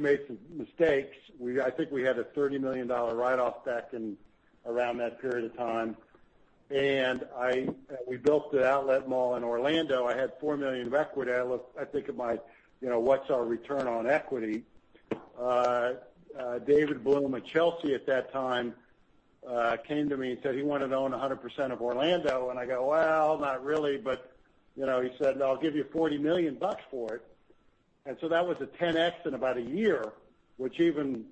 made some mistakes. I think we had a $30 million write-off back around that period of time. We built the outlet mall in Orlando. I had $4 million of equity. I think of my, what's our return on equity? David Bloom at Chelsea at that time came to me and said he wanted to own 100% of Orlando. I go, "Well, not really." He said, "I'll give you $40 million bucks for it." That was a 10X in about a year, which even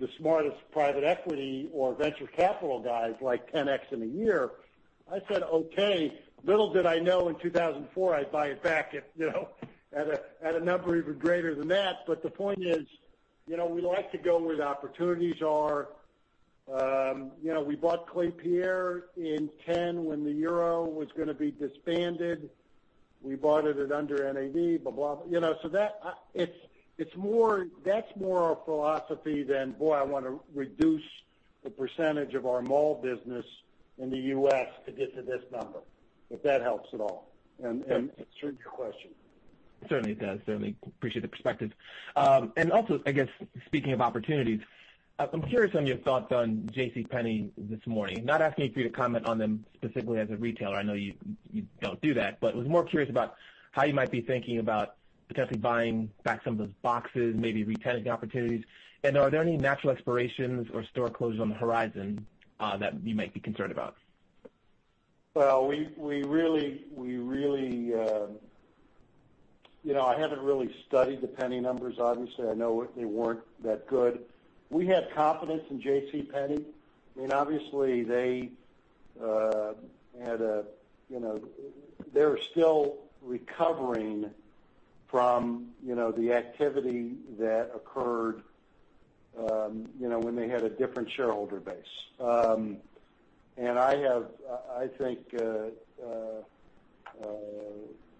the smartest private equity or venture capital guys like 10X in a year. I said, "Okay." Little did I know in 2004, I'd buy it back at a number even greater than that. The point is, we like to go where the opportunities are. We bought Klépierre in 2010 when the euro was going to be disbanded. We bought it at under NAV, blah. That's more our philosophy than, boy, I want to reduce the percentage of our mall business in the U.S. to get to this number. If that helps at all and answers your question. It certainly does. Certainly appreciate the perspective. Also, I guess, speaking of opportunities, I'm curious on your thoughts on JCPenney this morning. Not asking for you to comment on them specifically as a retailer. I know you don't do that. Was more curious about how you might be thinking about potentially buying back some of those boxes, maybe re-tenanting opportunities. Are there any natural expirations or store closures on the horizon that you might be concerned about? Well, I haven't really studied the Penney numbers. Obviously, I know they weren't that good. We had confidence in JCPenney. Obviously, they're still recovering from the activity that occurred when they had a different shareholder base. I think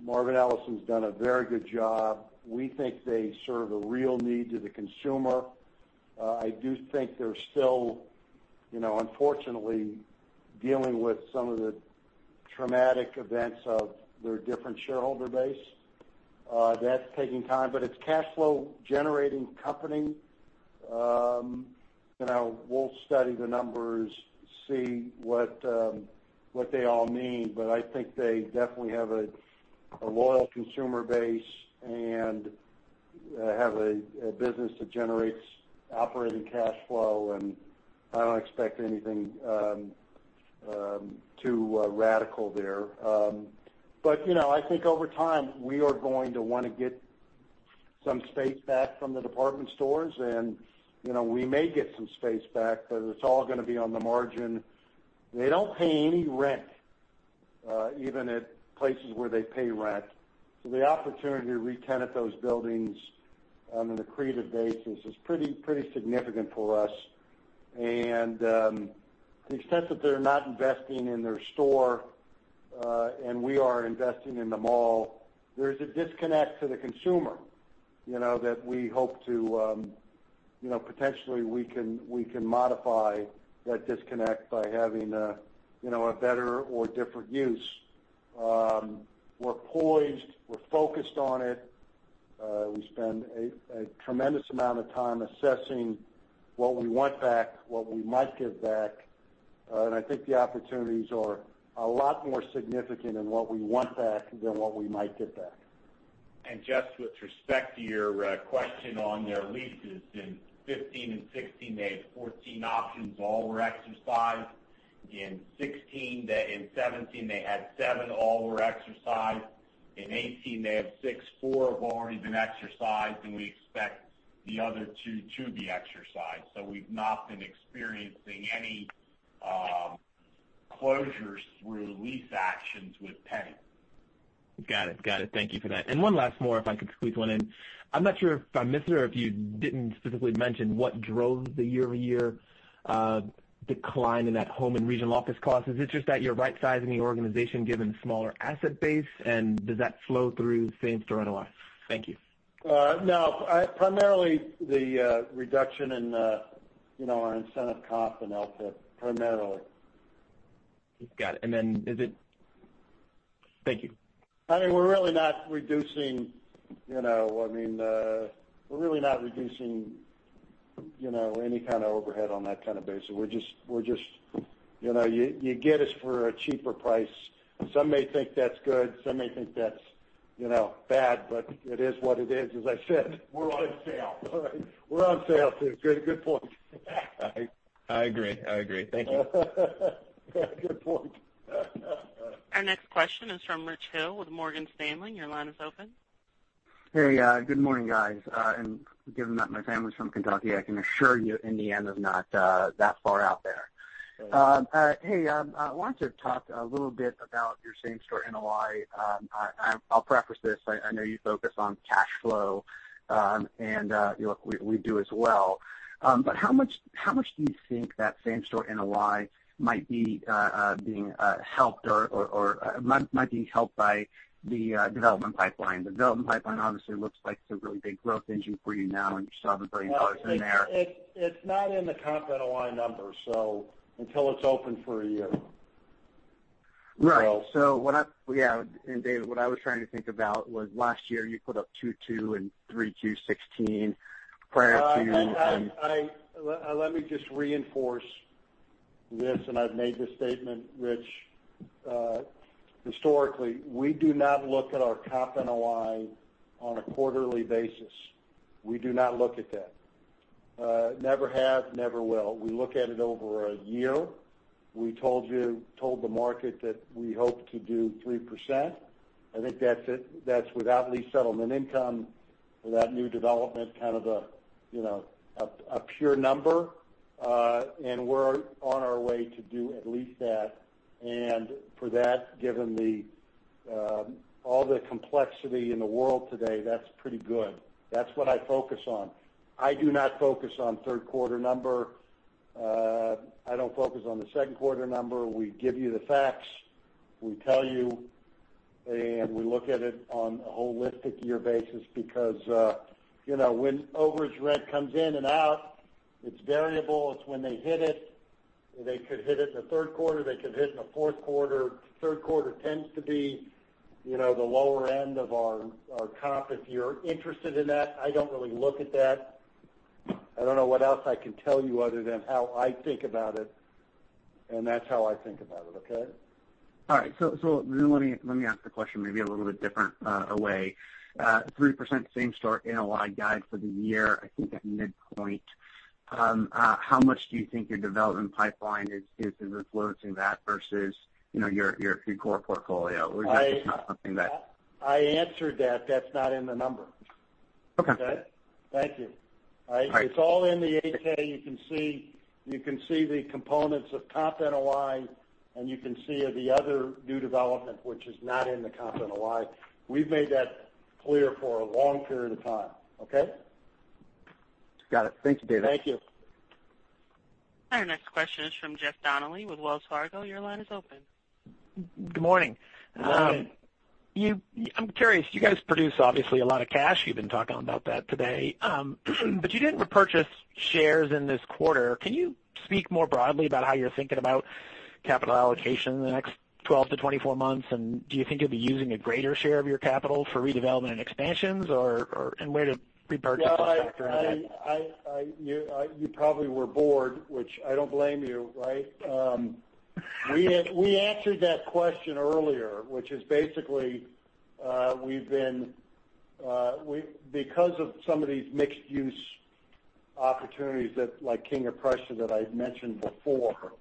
Marvin Ellison's done a very good job. We think they serve a real need to the consumer. I do think they're still, unfortunately, dealing with some of the traumatic events of their different shareholder base. That's taking time. It's a cash flow generating company. We'll study the numbers, see what they all mean. I think they definitely have a loyal consumer base and have a business that generates operating cash flow. I don't expect anything too radical there. I think over time, we are going to want to get some space back from the department stores. We may get some space back, but it's all going to be on the margin. They don't pay any rent, even at places where they pay rent. The opportunity to re-tenant those buildings on an accretive basis is pretty significant for us. To the extent that they're not investing in their store, and we are investing in the mall, there's a disconnect to the consumer, that we hope to potentially modify that disconnect by having a better or different use. We're poised, we're focused on it. We spend a tremendous amount of time assessing what we want back, what we might give back. I think the opportunities are a lot more significant in what we want back than what we might give back. Just with respect to your question on their leases, in 2015 and 2016, they had 14 options, all were exercised. In 2017, they had seven, all were exercised. In 2018, they have six, four have already been exercised, and we expect the other two to be exercised. We've not been experiencing any closures through lease actions with Penny. Got it. Thank you for that. One last more, if I could squeeze one in. I'm not sure if I missed it or if you didn't specifically mention what drove the year-over-year decline in that home and regional office costs. Is it just that you're right-sizing the organization given the smaller asset base, and does that flow through same store NOI? Thank you. No. Primarily, the reduction in our incentive comp and LTIP, primarily. Got it. Is it? Thank you. We're really not reducing any kind of overhead on that kind of basis. You get us for a cheaper price. Some may think that's good, some may think that's bad, but it is what it is. As I said, we're on sale. We're on sale. It's a very good point. I agree. Thank you. Good point. Our next question is from Richard Hill with Morgan Stanley. Your line is open. Hey, good morning, guys. Given that my family's from Kentucky, I can assure you Indiana's not that far out there. Good. Hey, I wanted to talk a little bit about your same-store NOI. I'll preface this, I know you focus on cash flow, and look, we do as well. How much do you think that same-store NOI might be being helped or might be helped by the development pipeline? The development pipeline obviously looks like it's a really big growth engine for you now, and you still have $1 billion in there. It's not in the Comp NOI number, so until it's open for a year. Right. Yeah. David, what I was trying to think about was last year, you put up 2.2% and 3.2% 2016 prior to- Let me just reinforce this. I've made this statement, Rich. Historically, we do not look at our Comp NOI on a quarterly basis. We do not look at that. Never have, never will. We look at it over a year. We told you, told the market that we hope to do 3%. I think that's without lease settlement income or that new development kind of a pure number. We're on our way to do at least that. For that, given all the complexity in the world today, that's pretty good. That's what I focus on. I do not focus on third quarter number. I don't focus on the second quarter number. We give you the facts, we tell you, we look at it on a holistic year basis because, when overage rent comes in and out, it's variable. It's when they hit it. They could hit it in the third quarter, they could hit it in the fourth quarter. Third quarter tends to be the lower end of our comp, if you're interested in that. I don't really look at that. I don't know what else I can tell you other than how I think about it. That's how I think about it, okay? All right. Let me ask the question maybe a little bit different away. 3% same store NOI guide for the year, I think at midpoint. How much do you think your development pipeline is influencing that versus your core portfolio? Is that just not something that- I answered that. That's not in the number. Okay. Thank you. All right. It's all in the 8K. You can see the components of Comp NOI, and you can see the other new development, which is not in the Comp NOI. We've made that clear for a long period of time. Okay? Got it. Thank you, David. Thank you. Our next question is from Jeffrey Donnelly with Wells Fargo. Your line is open. Good morning. Good morning. I'm curious, you guys produce obviously a lot of cash. You've been talking about that today. You didn't repurchase shares in this quarter. Can you speak more broadly about how you're thinking about capital allocation in the next 12-24 months? Do you think you'll be using a greater share of your capital for redevelopment and expansions, and where do repurchases factor into that? You probably were bored, which I don't blame you. We answered that question earlier, which is basically, because of some of these mixed-use opportunities, like King of Prussia that I'd mentioned before,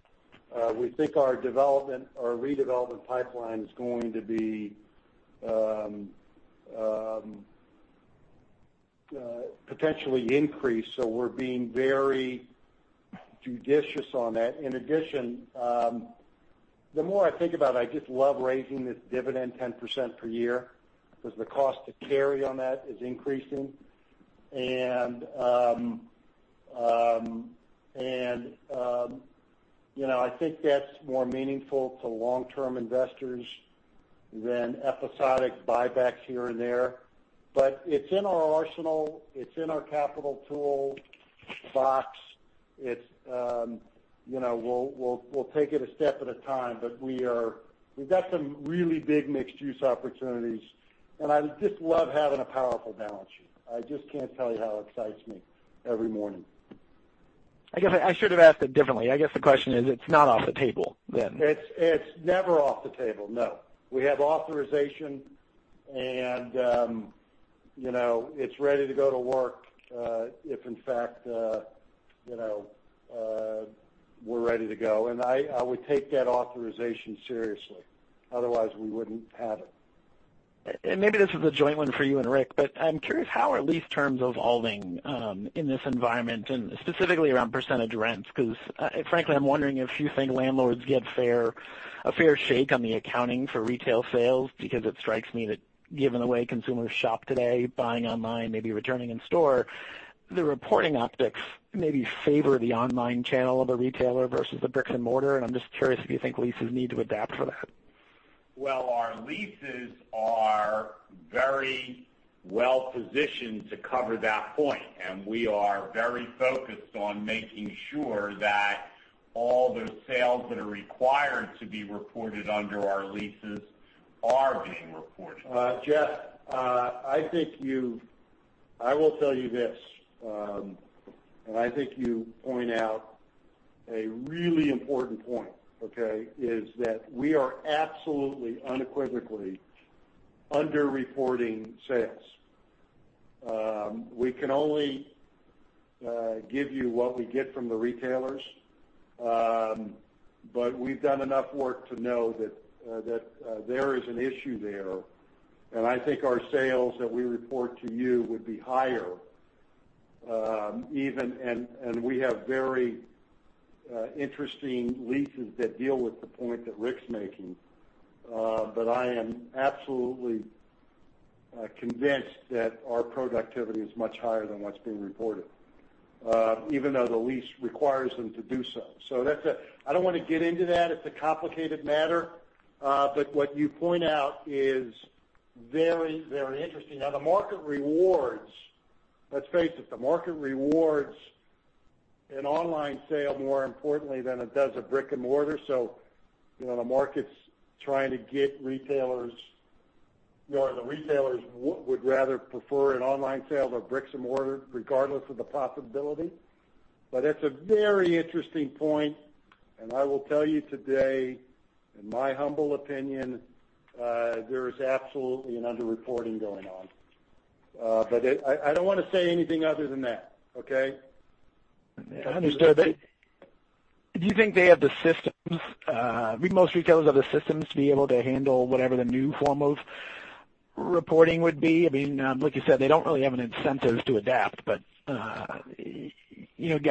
we think our redevelopment pipeline is going to be potentially increased. We're being very judicious on that. In addition, the more I think about it, I just love raising this dividend 10% per year because the cost to carry on that is increasing. I think that's more meaningful to long-term investors than episodic buybacks here and there. It's in our arsenal, it's in our capital tool box. We'll take it a step at a time, but we've got some really big mixed-use opportunities, and I just love having a powerful balance sheet. I just can't tell you how it excites me every morning. I should have asked it differently. I guess the question is, it's not off the table then. It's never off the table, no. We have authorization, and it's ready to go to work, if in fact we're ready to go. I would take that authorization seriously. Otherwise, we wouldn't have it. Maybe this is a joint one for you and Rick, I'm curious how are lease terms evolving in this environment, and specifically around percentage rents? Because, frankly, I'm wondering if you think landlords get a fair shake on the accounting for retail sales, because it strikes me that given the way consumers shop today, buying online, maybe returning in store, the reporting optics maybe favor the online channel of a retailer versus the bricks and mortar, I'm just curious if you think leases need to adapt for that. Well, our leases are very well positioned to cover that point, we are very focused on making sure that all those sales that are required to be reported under our leases are being reported. Jeff, I will tell you this, I think you point out a really important point, okay? Is that we are absolutely, unequivocally under-reporting sales. We can only give you what we get from the retailers. We've done enough work to know that there is an issue there, I think our sales that we report to you would be higher. We have very interesting leases that deal with the point that Rick's making. I am absolutely convinced that our productivity is much higher than what's being reported, even though the lease requires them to do so. I don't want to get into that. It's a complicated matter. What you point out is very interesting. Let's face it, the market rewards an online sale more importantly than it does a brick and mortar. The retailers would rather prefer an online sale to bricks and mortar, regardless of the possibility. It's a very interesting point, and I will tell you today, in my humble opinion, there is absolutely an under-reporting going on. I don't want to say anything other than that, okay? Understood. Do you think they have the systems, do you think most retailers have the systems to be able to handle whatever the new form of reporting would be? Like you said, they don't really have an incentive to adapt, but I'm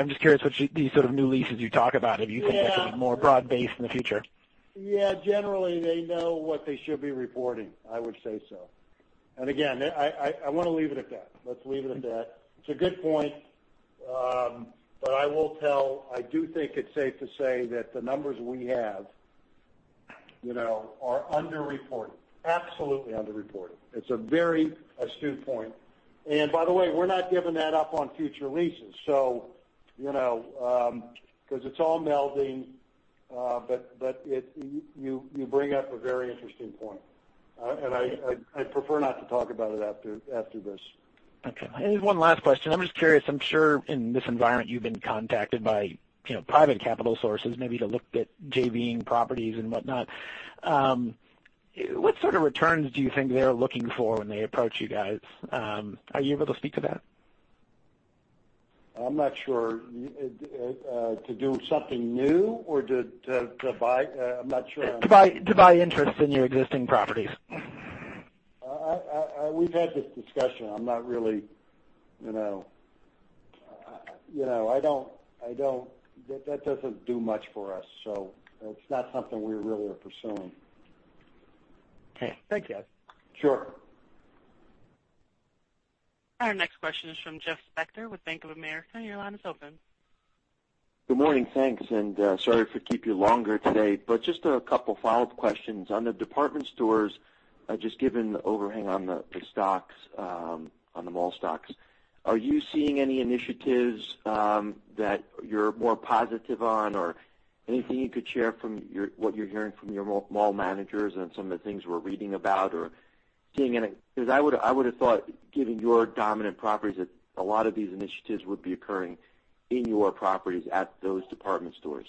just curious what these sort of new leases you talk about, if you think that's going to be more broad-based in the future. Yeah. Generally, they know what they should be reporting. I would say so. Again, I want to leave it at that. Let's leave it at that. It's a good point. I will tell, I do think it's safe to say that the numbers we have are under-reported. Absolutely under-reported. It's a very astute point. By the way, we're not giving that up on future leases. It's all melding. You bring up a very interesting point. I'd prefer not to talk about it after this. Okay. Just one last question. I'm just curious, I'm sure in this environment you've been contacted by private capital sources, maybe to look at JV-ing properties and whatnot. What sort of returns do you think they're looking for when they approach you guys? Are you able to speak to that? I'm not sure. To do something new or to buy I'm not sure. To buy interest in your existing properties. We've had this discussion. That doesn't do much for us, so it's not something we really are pursuing. Okay. Thank you. Sure. Our next question is from Jeffrey Spector with Bank of America. Your line is open. Good morning. Thanks. Sorry for keep you longer today, just a couple follow-up questions. On the department stores, just given the overhang on the stocks, on the mall stocks, are you seeing any initiatives that you're more positive on or anything you could share from what you're hearing from your mall managers and some of the things we're reading about or seeing. I would have thought, given your dominant properties, that a lot of these initiatives would be occurring in your properties at those department stores.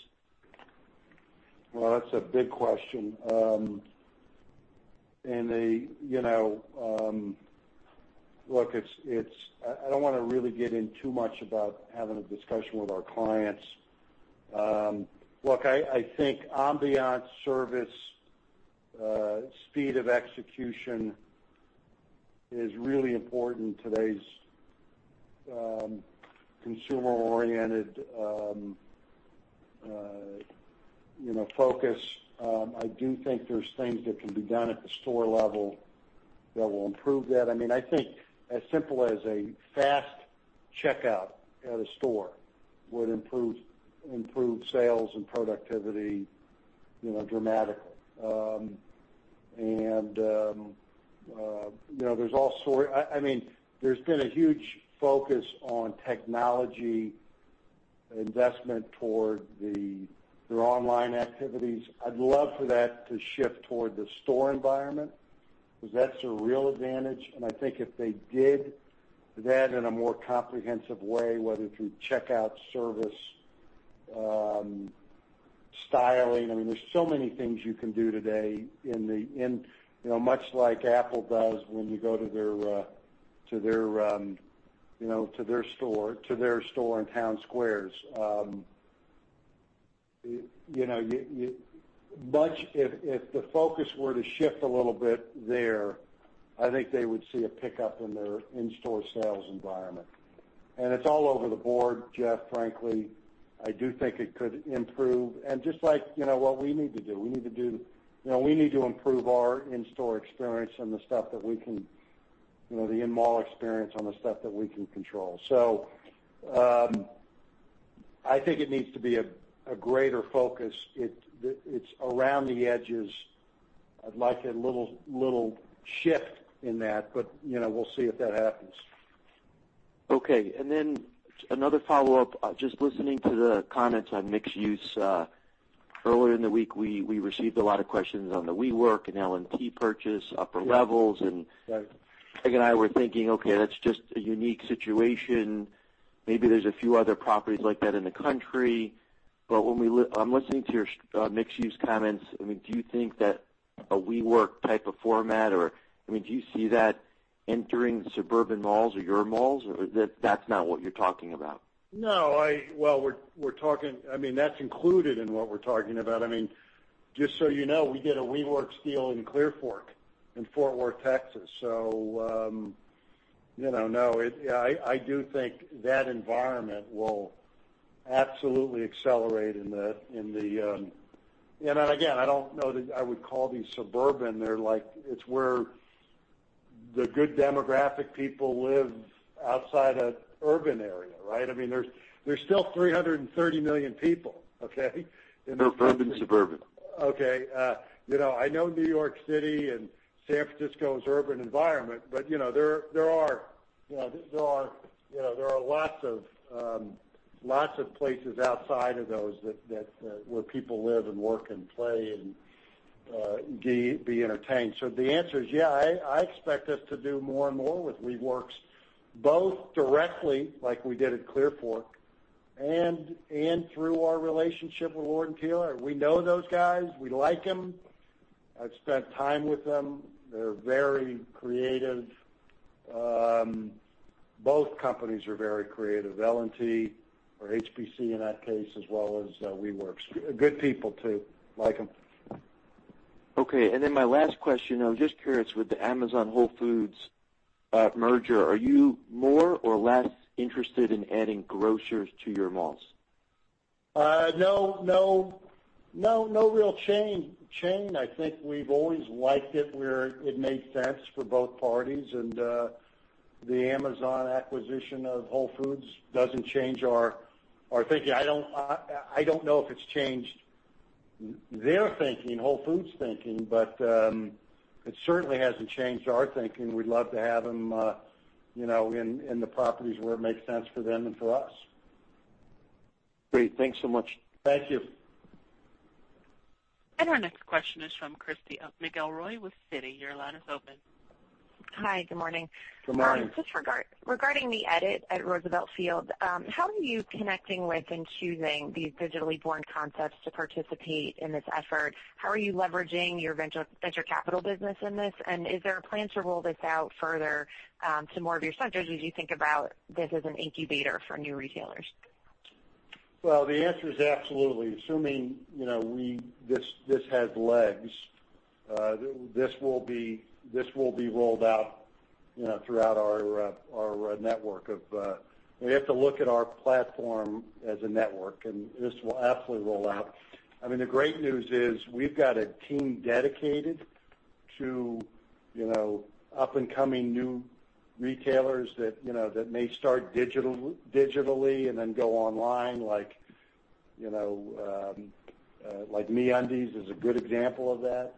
Well, that's a big question. Look, I don't want to really get in too much about having a discussion with our clients. Look, I think ambiance, service, speed of execution is really important in today's consumer-oriented focus. I do think there's things that can be done at the store level that will improve that. I think as simple as a fast checkout at a store would improve sales and productivity dramatically. There's been a huge focus on technology investment toward their online activities. I'd love for that to shift toward the store environment. That's a real advantage. I think if they did that in a more comprehensive way, whether through checkout service, styling, there's so many things you can do today, much like Apple does when you go to their store in town squares. If the focus were to shift a little bit there, I think they would see a pickup in their in-store sales environment. It's all over the board, Jeff, frankly, I do think it could improve. Just like what we need to do, we need to improve our in-store experience and the in-mall experience on the stuff that we can control. I think it needs to be a greater focus. It's around the edges. I'd like a little shift in that, we'll see if that happens. Okay. Then another follow-up. Just listening to the comments on mixed use. Earlier in the week, we received a lot of questions on the WeWork and LNT purchase, upper levels. Right Peg and I were thinking, okay, that's just a unique situation. Maybe there's a few other properties like that in the country. When I'm listening to your mixed use comments, do you think that a WeWork type of format or do you see that entering suburban malls or your malls, or that's not what you're talking about? No. That's included in what we're talking about. Just so you know, we did a WeWork deal in Clearfork, in Fort Worth, Texas. No, I do think that environment will absolutely accelerate. And again, I don't know that I would call these suburban. It's where the good demographic people live outside of urban area, right? There's still 330 million people, okay? They're urban suburban. Okay. I know New York City and San Francisco is urban environment. There are lots of places outside of those where people live and work and play and be entertained. The answer is, yeah, I expect us to do more and more with WeWork, both directly, like we did at Clearfork, and through our relationship with Lord & Taylor. We know those guys. We like them. I've spent time with them. They're very creative. Both companies are very creative. L&T or HBC in that case, as well as WeWork. Good people, too. Like them. My last question, I'm just curious, with the Amazon Whole Foods merger, are you more or less interested in adding grocers to your malls? No real change. I think we've always liked it where it made sense for both parties. The Amazon acquisition of Whole Foods doesn't change our thinking. I don't know if it's changed their thinking, Whole Foods' thinking, but it certainly hasn't changed our thinking. We'd love to have them in the properties where it makes sense for them and for us. Great. Thanks so much. Thank you. Our next question is from Christy McElroy with Citi. Your line is open. Hi, good morning. Good morning. Just regarding The Edit at Roosevelt Field, how are you connecting with and choosing these digitally born concepts to participate in this effort? How are you leveraging your venture capital business in this, and is there a plan to roll this out further to more of your centers as you think about this as an incubator for new retailers? The answer is absolutely. Assuming this has legs, this will be rolled out throughout our network. We have to look at our platform as a network, and this will absolutely roll out. The great news is we've got a team dedicated to up-and-coming new retailers that may start digitally and then go online like MeUndies is a good example of that,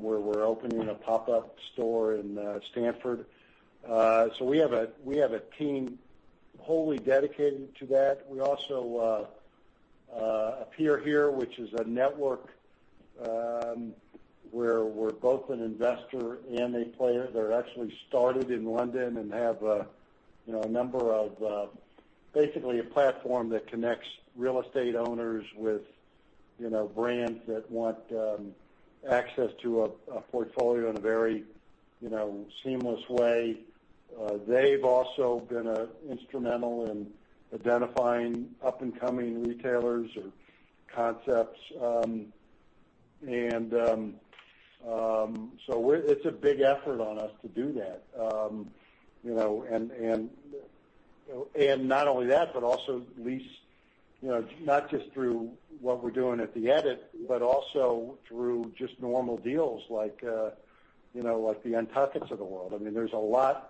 where we're opening a pop-up store in Stanford. We have a team wholly dedicated to that. We also Appear Here, which is a network, where we're both an investor and a player. They're actually started in London and have a number of, basically, a platform that connects real estate owners with brands that want access to a portfolio in a very seamless way. They've also been instrumental in identifying up-and-coming retailers or concepts. It's a big effort on us to do that. Not only that, but also lease, not just through what we're doing at The Edit, but also through just normal deals like the UNTUCKit of the world. There's a lot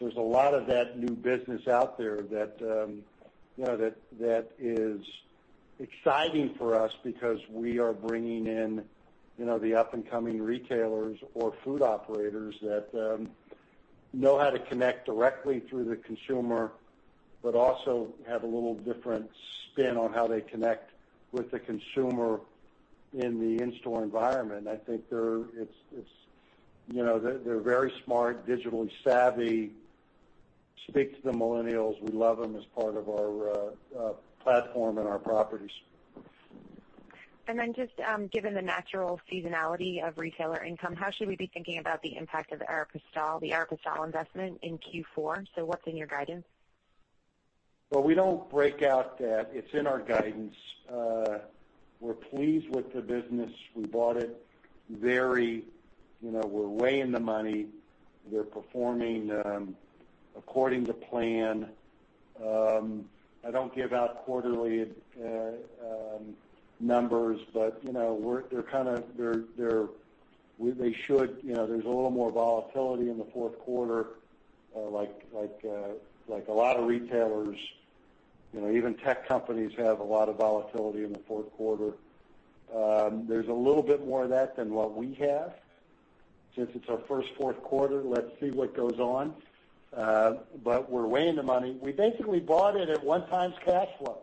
of that new business out there that is exciting for us because we are bringing in the up-and-coming retailers or food operators that know how to connect directly through the consumer, but also have a little different spin on how they connect with the consumer in the in-store environment. I think they're very smart, digitally savvy, speak to the millennials. We love them as part of our platform and our properties. Just given the natural seasonality of retailer income, how should we be thinking about the impact of Aéropostale, the Aéropostale investment in Q4? What's in your guidance? Well, we don't break out that. It's in our guidance. We're pleased with the business. We're weighing the money. They're performing according to plan. I don't give out quarterly numbers, there's a little more volatility in the fourth quarter, like a lot of retailers, even tech companies, have a lot of volatility in the fourth quarter. There's a little bit more of that than what we have. Since it's our first fourth quarter, let's see what goes on. We're weighing the money. We basically bought it at one times cash flow.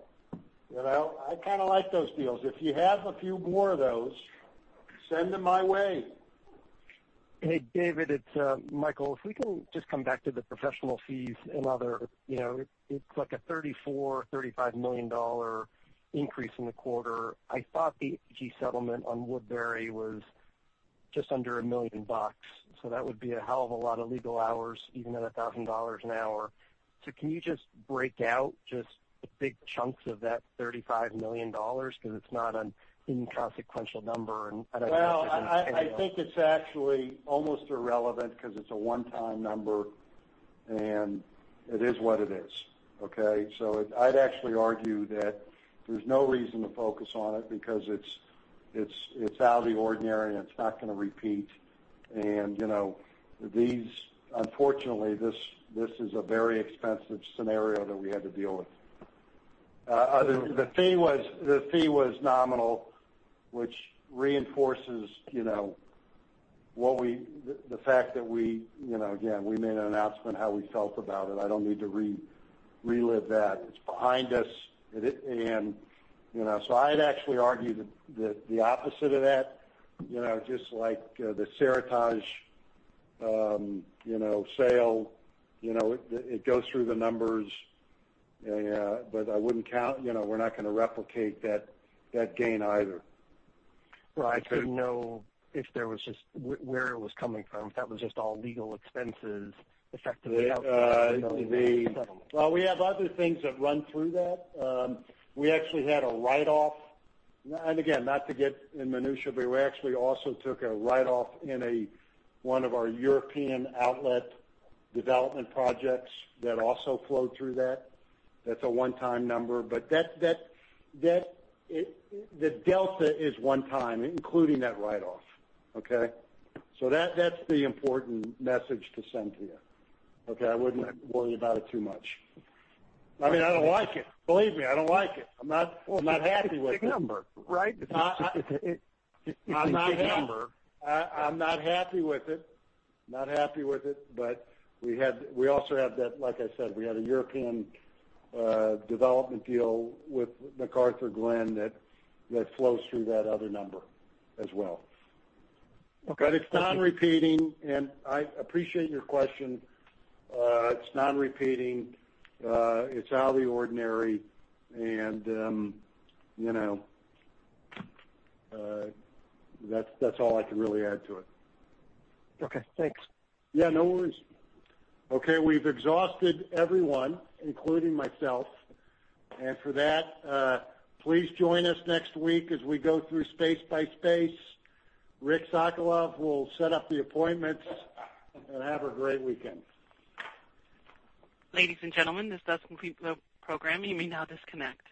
I kind of like those deals. If you have a few more of those, send them my way. Hey, David, it's Michael. If we can just come back to the professional fees and other, it's like a $34 million-$35 million increase in the quarter. I thought the APG settlement on Woodbury was just under $1 million, so that would be a hell of a lot of legal hours, even at $1,000 an hour. Can you just break out just the big chunks of that $35 million? It's not an inconsequential number, and I don't know if it's. Well, I think it's actually almost irrelevant because it's a one-time number, and it is what it is. Okay. I'd actually argue that there's no reason to focus on it because it's out of the ordinary, and it's not going to repeat. Unfortunately, this is a very expensive scenario that we had to deal with. The fee was nominal, which reinforces the fact that we again made an announcement how we felt about it. I don't need to relive that. It's behind us. I'd actually argue the opposite of that, just like the Seritage sale. It goes through the numbers, but I wouldn't count. We're not going to replicate that gain either. Well, I just didn't know where it was coming from, if that was just all legal expenses, effectively. Well, we have other things that run through that. We actually had a write-off, and again, not to get in minutia, but we actually also took a write-off in one of our European outlet development projects that also flowed through that. That's a one-time number, but the delta is one time, including that write-off. Okay. That's the important message to send to you. Okay. I wouldn't worry about it too much. I mean, I don't like it. Believe me, I don't like it. I'm not happy with it. It's a big number, right. It's a big number. I'm not happy with it, we also have that, like I said, we had a European development deal with McArthurGlen that flows through that other number as well. Okay. It's non-repeating, and I appreciate your question. It's non-repeating. It's out of the ordinary, and that's all I can really add to it. Okay, thanks. Yeah, no worries. Okay, we've exhausted everyone, including myself. For that, please join us next week as we go through space by space. Richard Sokolov will set up the appointments. Have a great weekend. Ladies and gentlemen, this does complete the program. You may now disconnect.